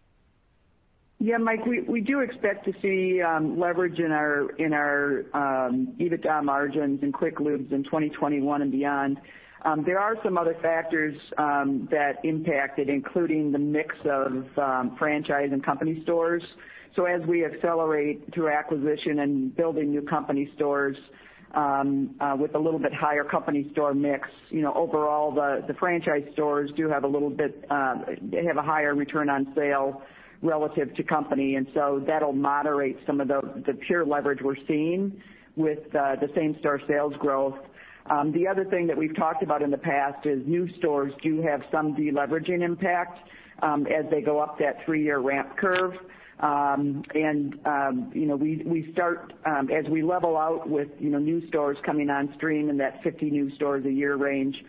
Yeah, Mike, we do expect to see leverage in our EBITDA margins in Quick Lubes in 2021 and beyond. There are some other factors that impact it, including the mix of franchise and company stores. As we accelerate through acquisition and building new company stores with a little bit higher company store mix, overall, the franchise stores do have a higher return on sale relative to company, that'll moderate some of the pure leverage we're seeing with the same-store sales growth. The other thing that we've talked about in the past is new stores do have some de-leveraging impact as they go up that three-year ramp curve. As we level out with new stores coming on stream in that 50 new stores a year range,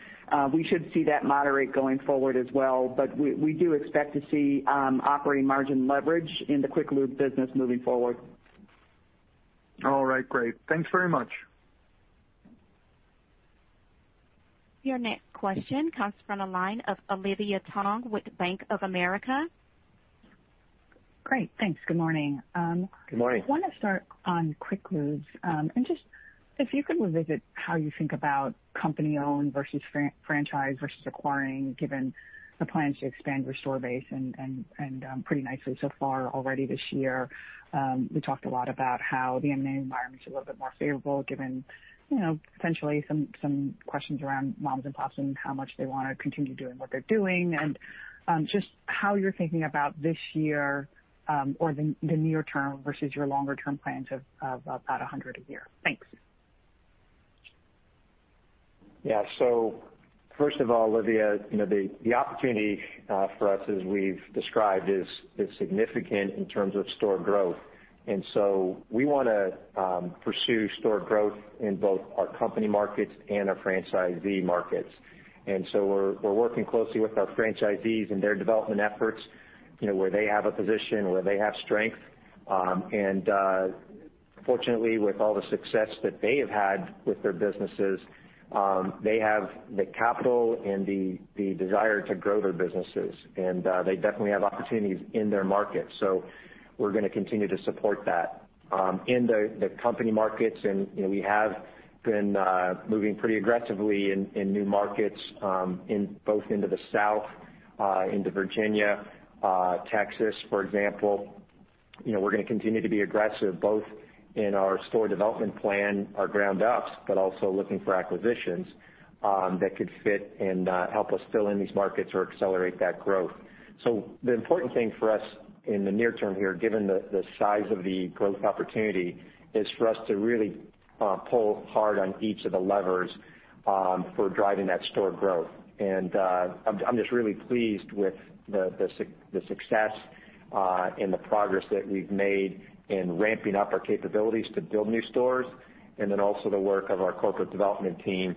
we should see that moderate going forward as well. We do expect to see operating margin leverage in the Quick Lube business moving forward. All right, great. Thanks very much. Your next question comes from the line of Olivia Tong with Bank of America. Great. Thanks. Good morning. Good morning. I want to start on Quick Lubes. Just if you could revisit how you think about company-owned versus franchise versus acquiring, given the plans to expand your store base and pretty nicely so far already this year. We talked a lot about how the M&A environment's a little bit more favorable given potentially some questions around mom-and-pops and how much they want to continue doing what they're doing, and just how you're thinking about this year, or the near term versus your longer-term plans of about 100 a year. Thanks. Yeah. First of all, Olivia, the opportunity for us, as we've described, is significant in terms of store growth. We want to pursue store growth in both our company markets and our franchisee markets. We're working closely with our franchisees in their development efforts, where they have a position, where they have strength. Fortunately, with all the success that they have had with their businesses, they have the capital and the desire to grow their businesses. They definitely have opportunities in their market, so we're going to continue to support that. In the company markets, we have been moving pretty aggressively in new markets, both into the South, into Virginia, Texas, for example. We're going to continue to be aggressive, both in our store development plan, our ground ups, but also looking for acquisitions that could fit and help us fill in these markets or accelerate that growth. The important thing for us in the near term here, given the size of the growth opportunity, is for us to really pull hard on each of the levers for driving that store growth. I'm just really pleased with the success and the progress that we've made in ramping up our capabilities to build new stores, and then also the work of our corporate development team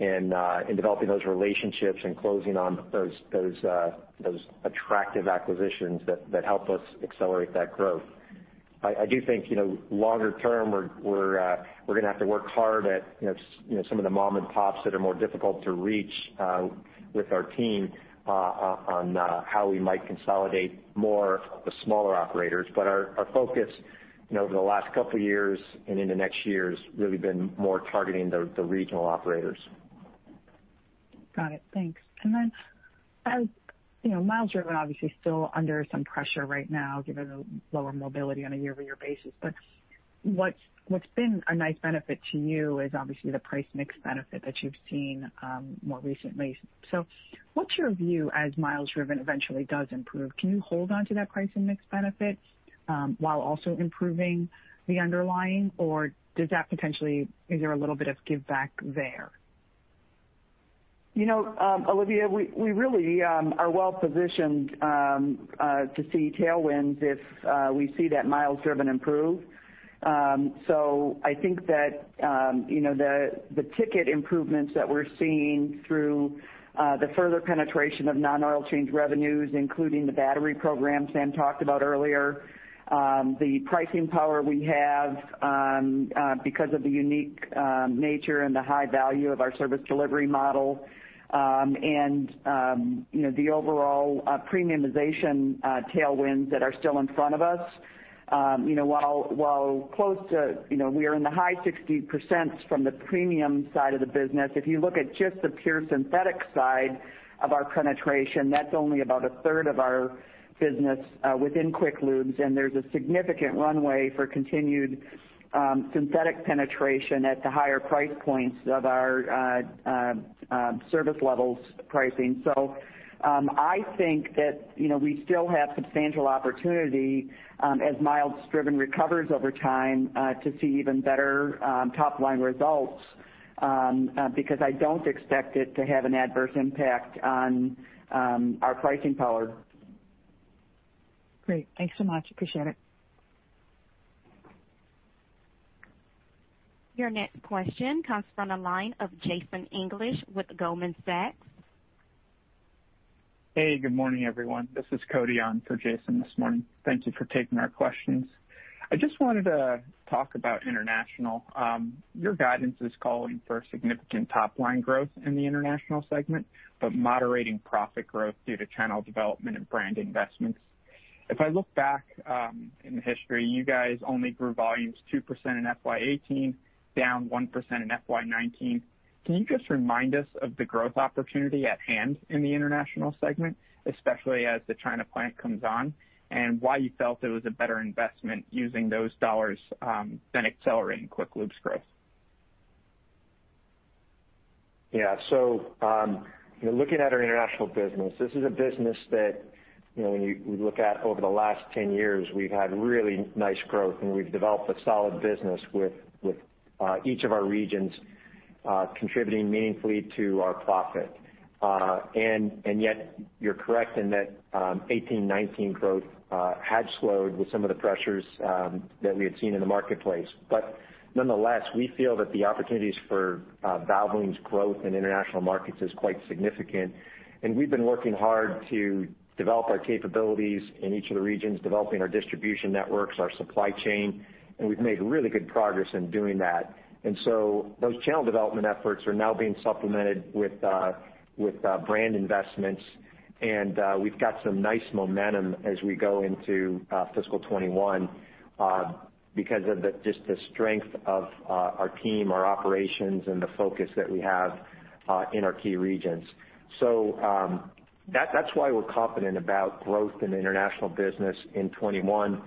in developing those relationships and closing on those attractive acquisitions that help us accelerate that growth. I do think, longer term, we're going to have to work hard at some of the mom-and-pops that are more difficult to reach with our team on how we might consolidate more of the smaller operators. Our focus over the last couple of years and into next year has really been more targeting the regional operators. Got it. Thanks. As miles driven obviously still under some pressure right now, given the lower mobility on a year-over-year basis. What's been a nice benefit to you is obviously the price mix benefit that you've seen more recently. What's your view as miles driven eventually does improve? Can you hold onto that pricing mix benefit while also improving the underlying, or is there a little bit of giveback there? Olivia, we really are well positioned to see tailwinds if we see that miles driven improve. I think that the ticket improvements that we're seeing through the further penetration of non-oil change revenues, including the battery program Sam talked about earlier, the pricing power we have because of the unique nature and the high value of our service delivery model, and the overall premiumization tailwinds that are still in front of us. While close to we are in the high 60% from the premium side of the business, if you look at just the pure synthetic side of our penetration, that's only about a third of our business within Quick Lubes, and there's a significant runway for continued synthetic penetration at the higher price points of our service levels pricing. I think that we still have substantial opportunity as miles driven recovers over time to see even better top-line results, because I don't expect it to have an adverse impact on our pricing power. Great. Thanks so much. Appreciate it. Your next question comes from the line of Jason English with Goldman Sachs. Hey, good morning, everyone. This is Cody on for Jason this morning. Thank you for taking our questions. I just wanted to talk about international. Your guidance is calling for significant top-line growth in the international segment, but moderating profit growth due to channel development and brand investments. If I look back in history, you guys only grew volumes 2% in FY 2018, down 1% in FY 2019. Can you just remind us of the growth opportunity at hand in the international segment, especially as the China plant comes on, and why you felt it was a better investment using those dollars than accelerating Quick Lubes growth? Yeah. Looking at our international business, this is a business that when you look at over the last 10 years, we've had really nice growth, and we've developed a solid business with each of our regions contributing meaningfully to our profit. Yet, you're correct in that 2018, 2019 growth had slowed with some of the pressures that we had seen in the marketplace. Nonetheless, we feel that the opportunities for Valvoline's growth in international markets is quite significant, and we've been working hard to develop our capabilities in each of the regions, developing our distribution networks, our supply chain, and we've made really good progress in doing that. Those channel development efforts are now being supplemented with brand investments, and we've got some nice momentum as we go into fiscal 2021 because of just the strength of our team, our operations, and the focus that we have in our key regions. That's why we're confident about growth in the international business in 2021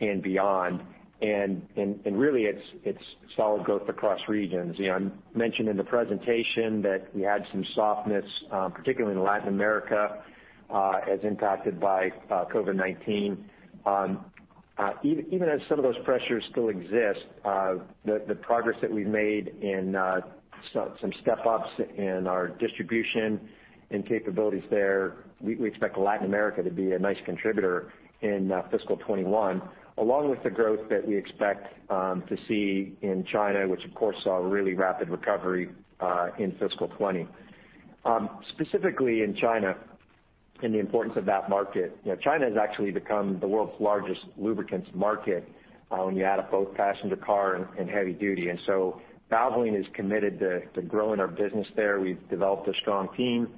and beyond. Really, it's solid growth across regions. I mentioned in the presentation that we had some softness, particularly in Latin America, as impacted by COVID-19. Even as some of those pressures still exist, the progress that we've made in some step-ups in our distribution and capabilities there, we expect Latin America to be a nice contributor in fiscal 2021, along with the growth that we expect to see in China, which, of course, saw a really rapid recovery in fiscal 2020. Specifically in China and the importance of that market, China has actually become the world's largest lubricants market when you add up both passenger car and heavy duty. Valvoline is committed to growing our business there. We've developed a strong team.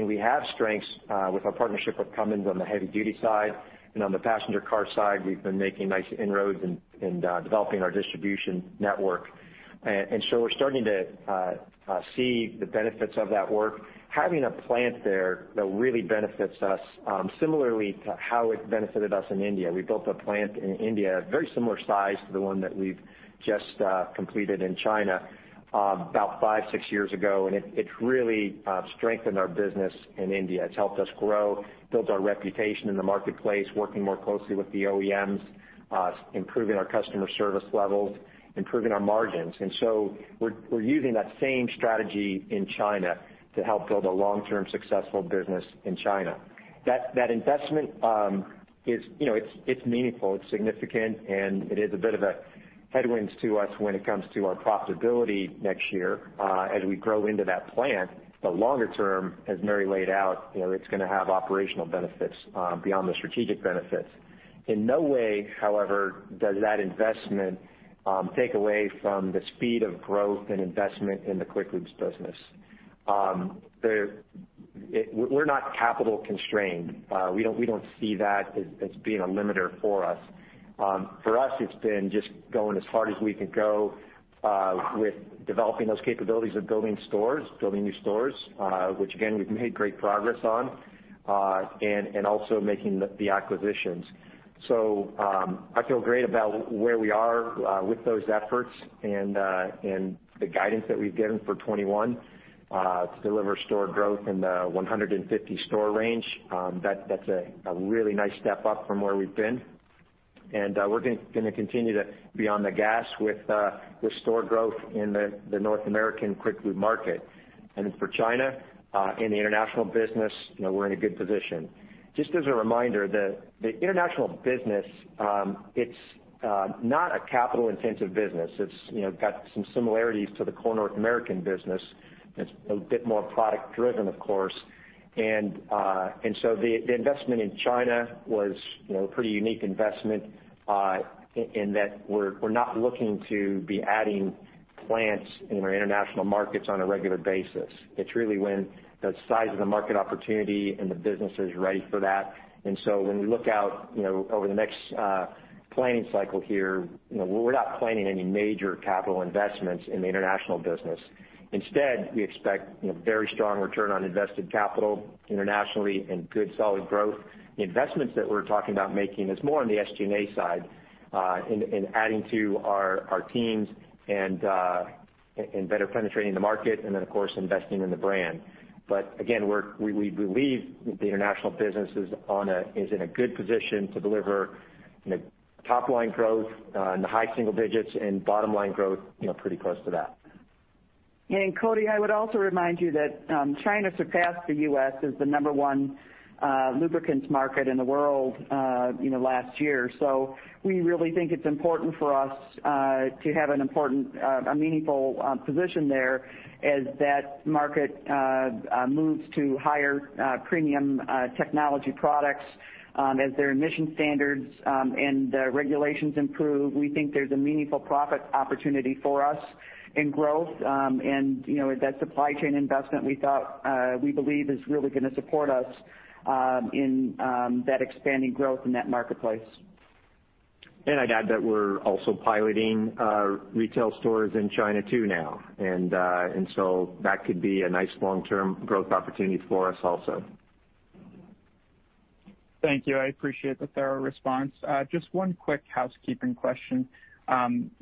We have strengths with our partnership with Cummins on the heavy duty side, and on the passenger car side, we've been making nice inroads in developing our distribution network. We're starting to see the benefits of that work. Having a plant there really benefits us similarly to how it benefited us in India. We built a plant in India, very similar size to the one that we've just completed in China, about five, six years ago, and it's really strengthened our business in India. It's helped us grow, build our reputation in the marketplace, working more closely with the OEMs, improving our customer service levels, improving our margins. We're using that same strategy in China to help build a long-term successful business in China. That investment, it's meaningful, it's significant, and it is a bit of a headwind to us when it comes to our profitability next year as we grow into that plant. Longer term, as Mary laid out, it's going to have operational benefits beyond the strategic benefits. In no way, however, does that investment take away from the speed of growth and investment in the Quick Lubes business. We're not capital constrained. We don't see that as being a limiter for us. For us, it's been just going as hard as we can go with developing those capabilities of building new stores, which again, we've made great progress on, and also making the acquisitions. I feel great about where we are with those efforts and the guidance that we've given for 2021 to deliver store growth in the 150 store range. That's a really nice step up from where we've been. We're going to continue to be on the gas with the store growth in the North American Quick Lube market. For China, in the international business, we're in a good position. Just as a reminder, the international business, it's not a capital intensive business. It's got some similarities to the Core North America business, and it's a bit more product driven, of course. The investment in China was a pretty unique investment in that we're not looking to be adding plants in our international markets on a regular basis. It's really when the size of the market opportunity and the business is ready for that. When we look out over the next planning cycle here, we're not planning any major capital investments in the international business. Instead, we expect very strong return on invested capital internationally and good solid growth. The investments that we're talking about making is more on the SG&A side in adding to our teams and better penetrating the market, and then, of course, investing in the brand. Again, we believe the international business is in a good position to deliver top line growth in the high single digits and bottom line growth pretty close to that. Cody, I would also remind you that China surpassed the U.S. as the number one lubricants market in the world last year. We really think it's important for us to have a meaningful position there as that market moves to higher premium technology products. As their emission standards and regulations improve, we think there's a meaningful profit opportunity for us in growth, and that supply chain investment we believe is really going to support us in that expanding growth in that marketplace. I'd add that we're also piloting retail stores in China too now. That could be a nice long-term growth opportunity for us also. Thank you. I appreciate the thorough response. Just one quick housekeeping question.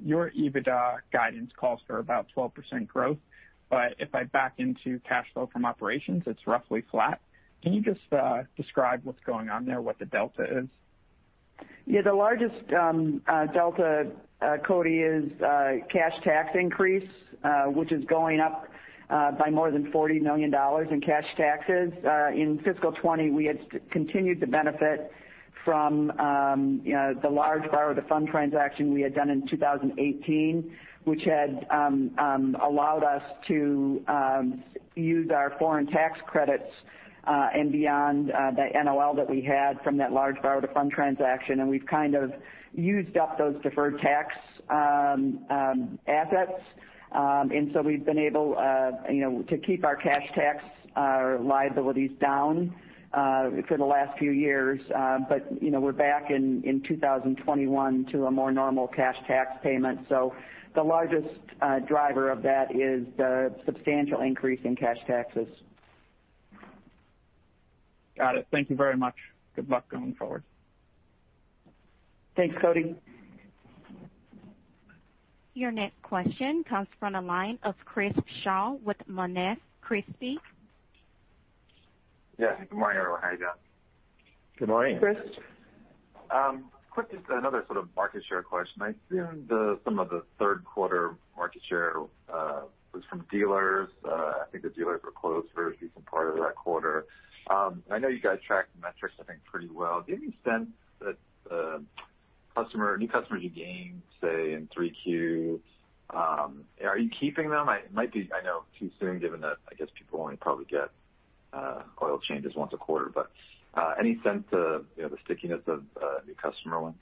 Your EBITDA guidance calls for about 12% growth, but if I back into cash flow from operations, it's roughly flat. Can you just describe what's going on there, what the delta is? The largest delta, Cody, is cash tax increase, which is going up by more than $40 million in cash taxes. In fiscal 2020, we had continued to benefit from the large borrow to fund transaction we had done in 2018, which had allowed us to use our foreign tax credits and beyond the NOL that we had from that large borrow to fund transaction, and we've used up those deferred tax assets. We've been able to keep our cash tax liabilities down for the last few years. We're back in 2021 to a more normal cash tax payment. The largest driver of that is the substantial increase in cash taxes. Got it. Thank you very much. Good luck going forward. Thanks, Cody. Your next question comes from the line of Chris Shaw with Monness, Crespi. Yeah. Good morning, everyone. How are you doing? Good morning. Chris. Quickly, just another sort of market share question. I assumed some of the 3rd quarter market share was from dealers. I think the dealers were closed for a decent part of that quarter. I know you guys track the metrics, I think pretty well. Do you have any sense that new customers you gained, say, in three Q, are you keeping them? It might be, I know, too soon given that I guess people only probably get oil changes once a quarter, but any sense of the stickiness of new customer wins?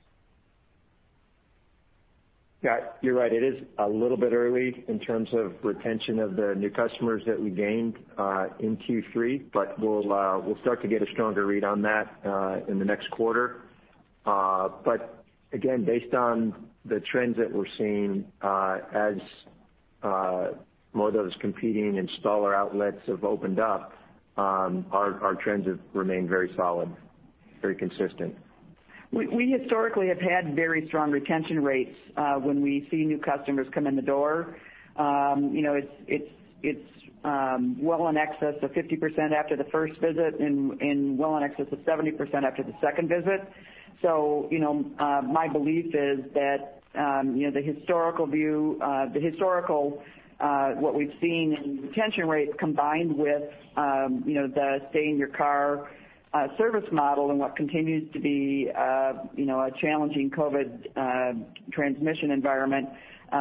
Yeah, you're right. It is a little bit early in terms of retention of the new customers that we gained in Q3, we'll start to get a stronger read on that in the next quarter. Again, based on the trends that we're seeing as Moto's competing installer outlets have opened up, our trends have remained very solid, very consistent. We historically have had very strong retention rates when we see new customers come in the door. It's well in excess of 50% after the first visit and well in excess of 70% after the second visit. My belief is that the historical view, what we've seen in retention rates combined with the stay in your car service model and what continues to be a challenging COVID transmission environment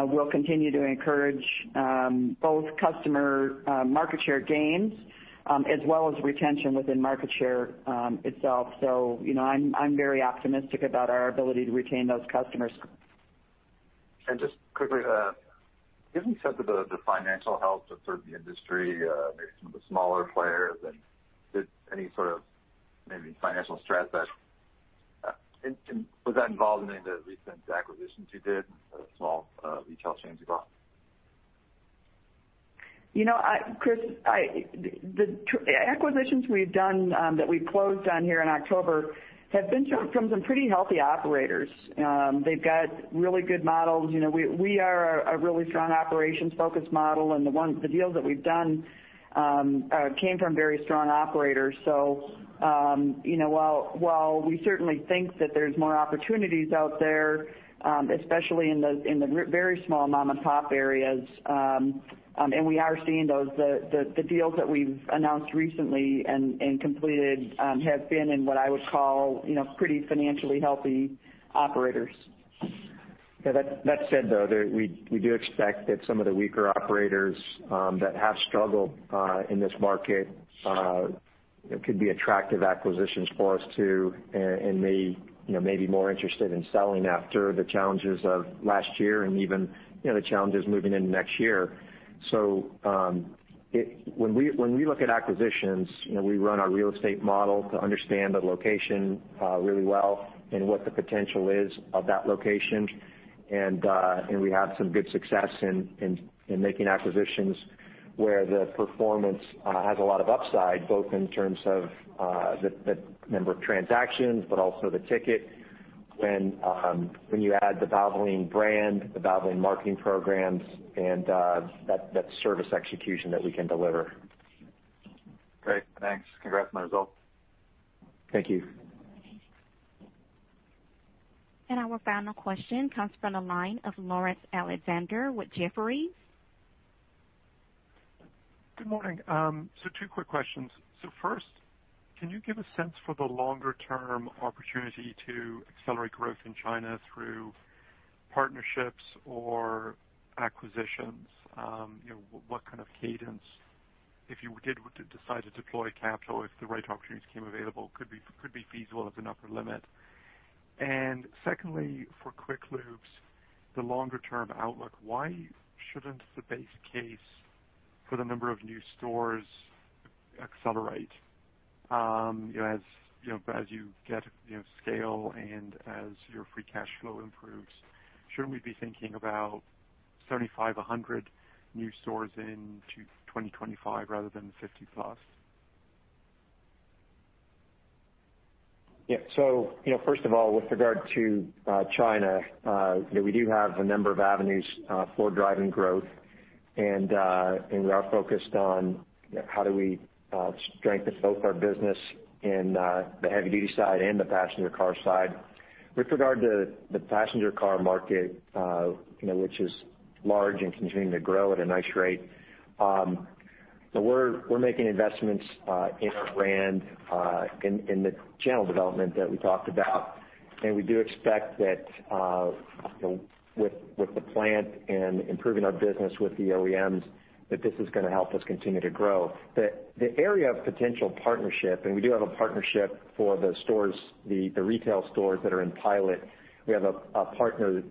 will continue to encourage both customer market share gains as well as retention within market share itself. I'm very optimistic about our ability to retain those customers. Just quickly, do you have any sense of the financial health of sort of the industry, maybe some of the smaller players and any sort of maybe financial stress. Was that involved in any of the recent acquisitions you did of small retail chains you bought? Chris, the acquisitions we've done that we closed on here in October have been from some pretty healthy operators. They've got really good models. We are a really strong operations-focused model, and the deals that we've done came from very strong operators. While we certainly think that there's more opportunities out there, especially in the very small mom and pop areas, and we are seeing those. The deals that we've announced recently and completed have been in what I would call pretty financially healthy operators. Yeah, that said, though, we do expect that some of the weaker operators that have struggled in this market could be attractive acquisitions for us too, and may be more interested in selling after the challenges of last year and even the challenges moving into next year. When we look at acquisitions, we run our real estate model to understand the location really well and what the potential is of that location. We have some good success in making acquisitions where the performance has a lot of upside, both in terms of the number of transactions, but also the ticket when you add the Valvoline brand, the Valvoline marketing programs, and that service execution that we can deliver. Great. Thanks. Congrats on the results. Thank you. Our final question comes from the line of Laurence Alexander with Jefferies. Good morning. Two quick questions. First, can you give a sense for the longer-term opportunity to accelerate growth in China through partnerships or acquisitions? What kind of cadence, if you did decide to deploy capital, if the right opportunities came available, could be feasible as an upper limit? Secondly, for Quick Lubes, the longer-term outlook, why shouldn't the base case for the number of new stores accelerate as you get scale and as your free cash flow improves? Shouldn't we be thinking about 75-100 new stores in 2025 rather than 50+? Yeah. First of all, with regard to China, we do have a number of avenues for driving growth. We are focused on how do we strengthen both our business in the heavy-duty side and the passenger car side. With regard to the passenger car market, which is large and continuing to grow at a nice rate, we're making investments in our brand, in the channel development that we talked about, and we do expect that with the plant and improving our business with the OEMs, that this is going to help us continue to grow. The area of potential partnership, and we do have a partnership for the retail stores that are in pilot, we have a partner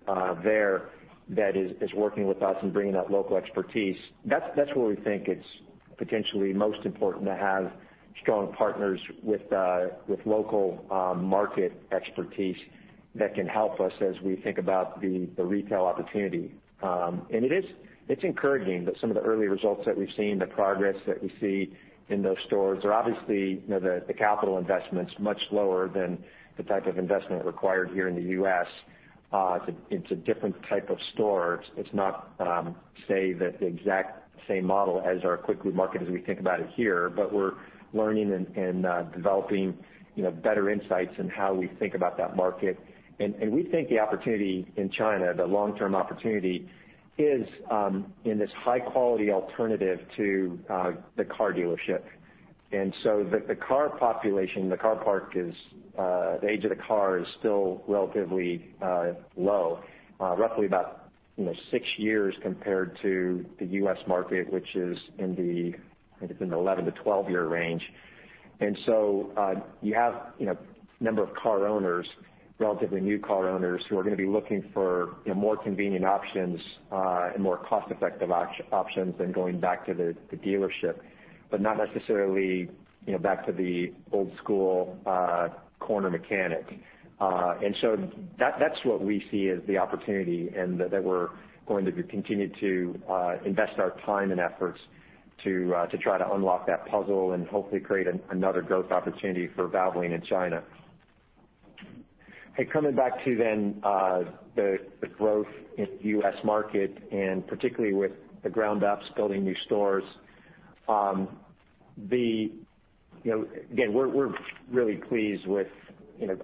there that is working with us and bringing that local expertise. That's where we think it's potentially most important to have strong partners with local market expertise that can help us as we think about the retail opportunity. It's encouraging that some of the early results that we've seen, the progress that we see in those stores are obviously, the capital investment's much lower than the type of investment required here in the U.S. It's a different type of store. It's not, say, that the exact same model as our Quick Lubes market as we think about it here, but we're learning and developing better insights in how we think about that market. We think the opportunity in China, the long-term opportunity, is in this high-quality alternative to the car dealership. The car population, the car park is the age of the car is still relatively low, roughly about six years compared to the U.S. market, which is in the 11-12-year range. You have a number of car owners, relatively new car owners, who are going to be looking for more convenient options, and more cost-effective options than going back to the dealership, but not necessarily back to the old school corner mechanic. That's what we see as the opportunity, and that we're going to continue to invest our time and efforts to try to unlock that puzzle and hopefully create another growth opportunity for Valvoline in China. Coming back to then the growth in the U.S. market, and particularly with the ground ups building new stores. Again, we're really pleased with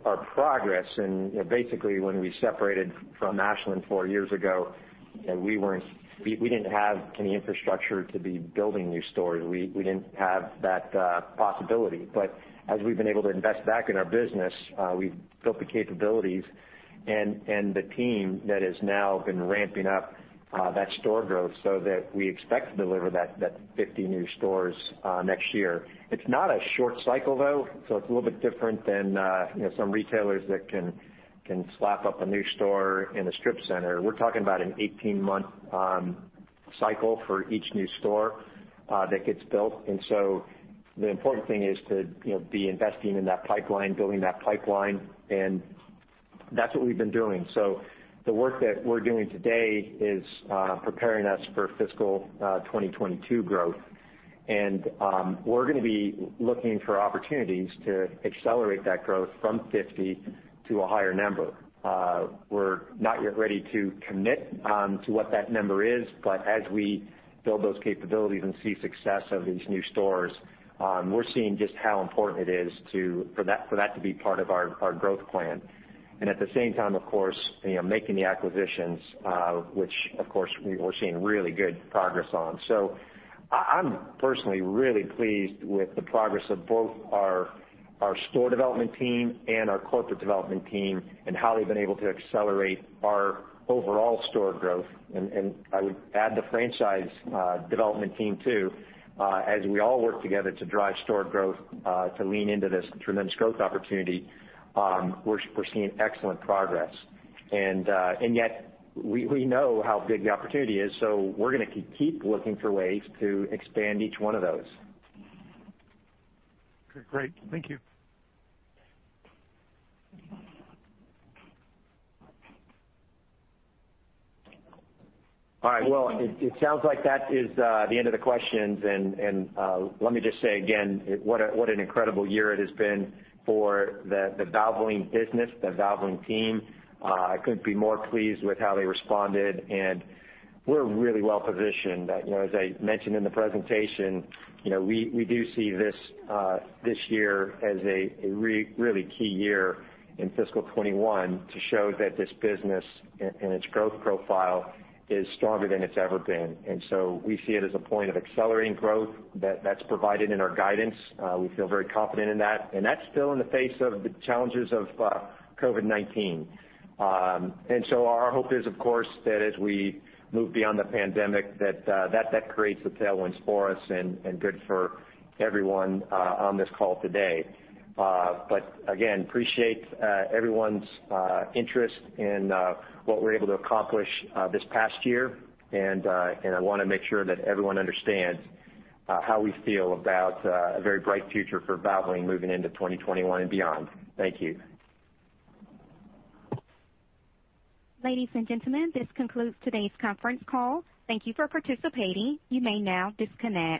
our progress and basically when we separated from Ashland four years ago, we didn't have any infrastructure to be building new stores. We didn't have that possibility. But as we've been able to invest back in our business, we've built the capabilities and the team that has now been ramping up that store growth so that we expect to deliver that 50 new stores next year. It's not a short cycle, though, so it's a little bit different than some retailers that can slap up a new store in a strip center. We're talking about an 18-month cycle for each new store that gets built. The important thing is to be investing in that pipeline, building that pipeline, and that's what we've been doing. The work that we're doing today is preparing us for fiscal 2022 growth. We're going to be looking for opportunities to accelerate that growth from 50 to a higher number. We're not yet ready to commit to what that number is, but as we build those capabilities and see success of these new stores, we're seeing just how important it is for that to be part of our growth plan. At the same time, of course, making the acquisitions, which of course, we're seeing really good progress on. I'm personally really pleased with the progress of both our store development team and our corporate development team and how they've been able to accelerate our overall store growth. I would add the franchise development team too, as we all work together to drive store growth, to lean into this tremendous growth opportunity, we're seeing excellent progress. Yet, we know how big the opportunity is, so we're gonna keep looking for ways to expand each one of those. Okay, great. Thank you. All right. Well, it sounds like that is the end of the questions and let me just say again, what an incredible year it has been for the Valvoline business, the Valvoline team. I couldn't be more pleased with how they responded and we're really well positioned. As I mentioned in the presentation, we do see this year as a really key year in fiscal 2021 to show that this business and its growth profile is stronger than it's ever been. We see it as a point of accelerating growth that's provided in our guidance. We feel very confident in that, and that's still in the face of the challenges of COVID-19. Our hope is, of course, that as we move beyond the pandemic, that that creates the tailwinds for us and good for everyone on this call today. Again, appreciate everyone's interest in what we were able to accomplish this past year, and I want to make sure that everyone understands how we feel about a very bright future for Valvoline moving into 2021 and beyond. Thank you. Ladies and gentlemen, this concludes today's conference call. Thank you for participating. You may now disconnect.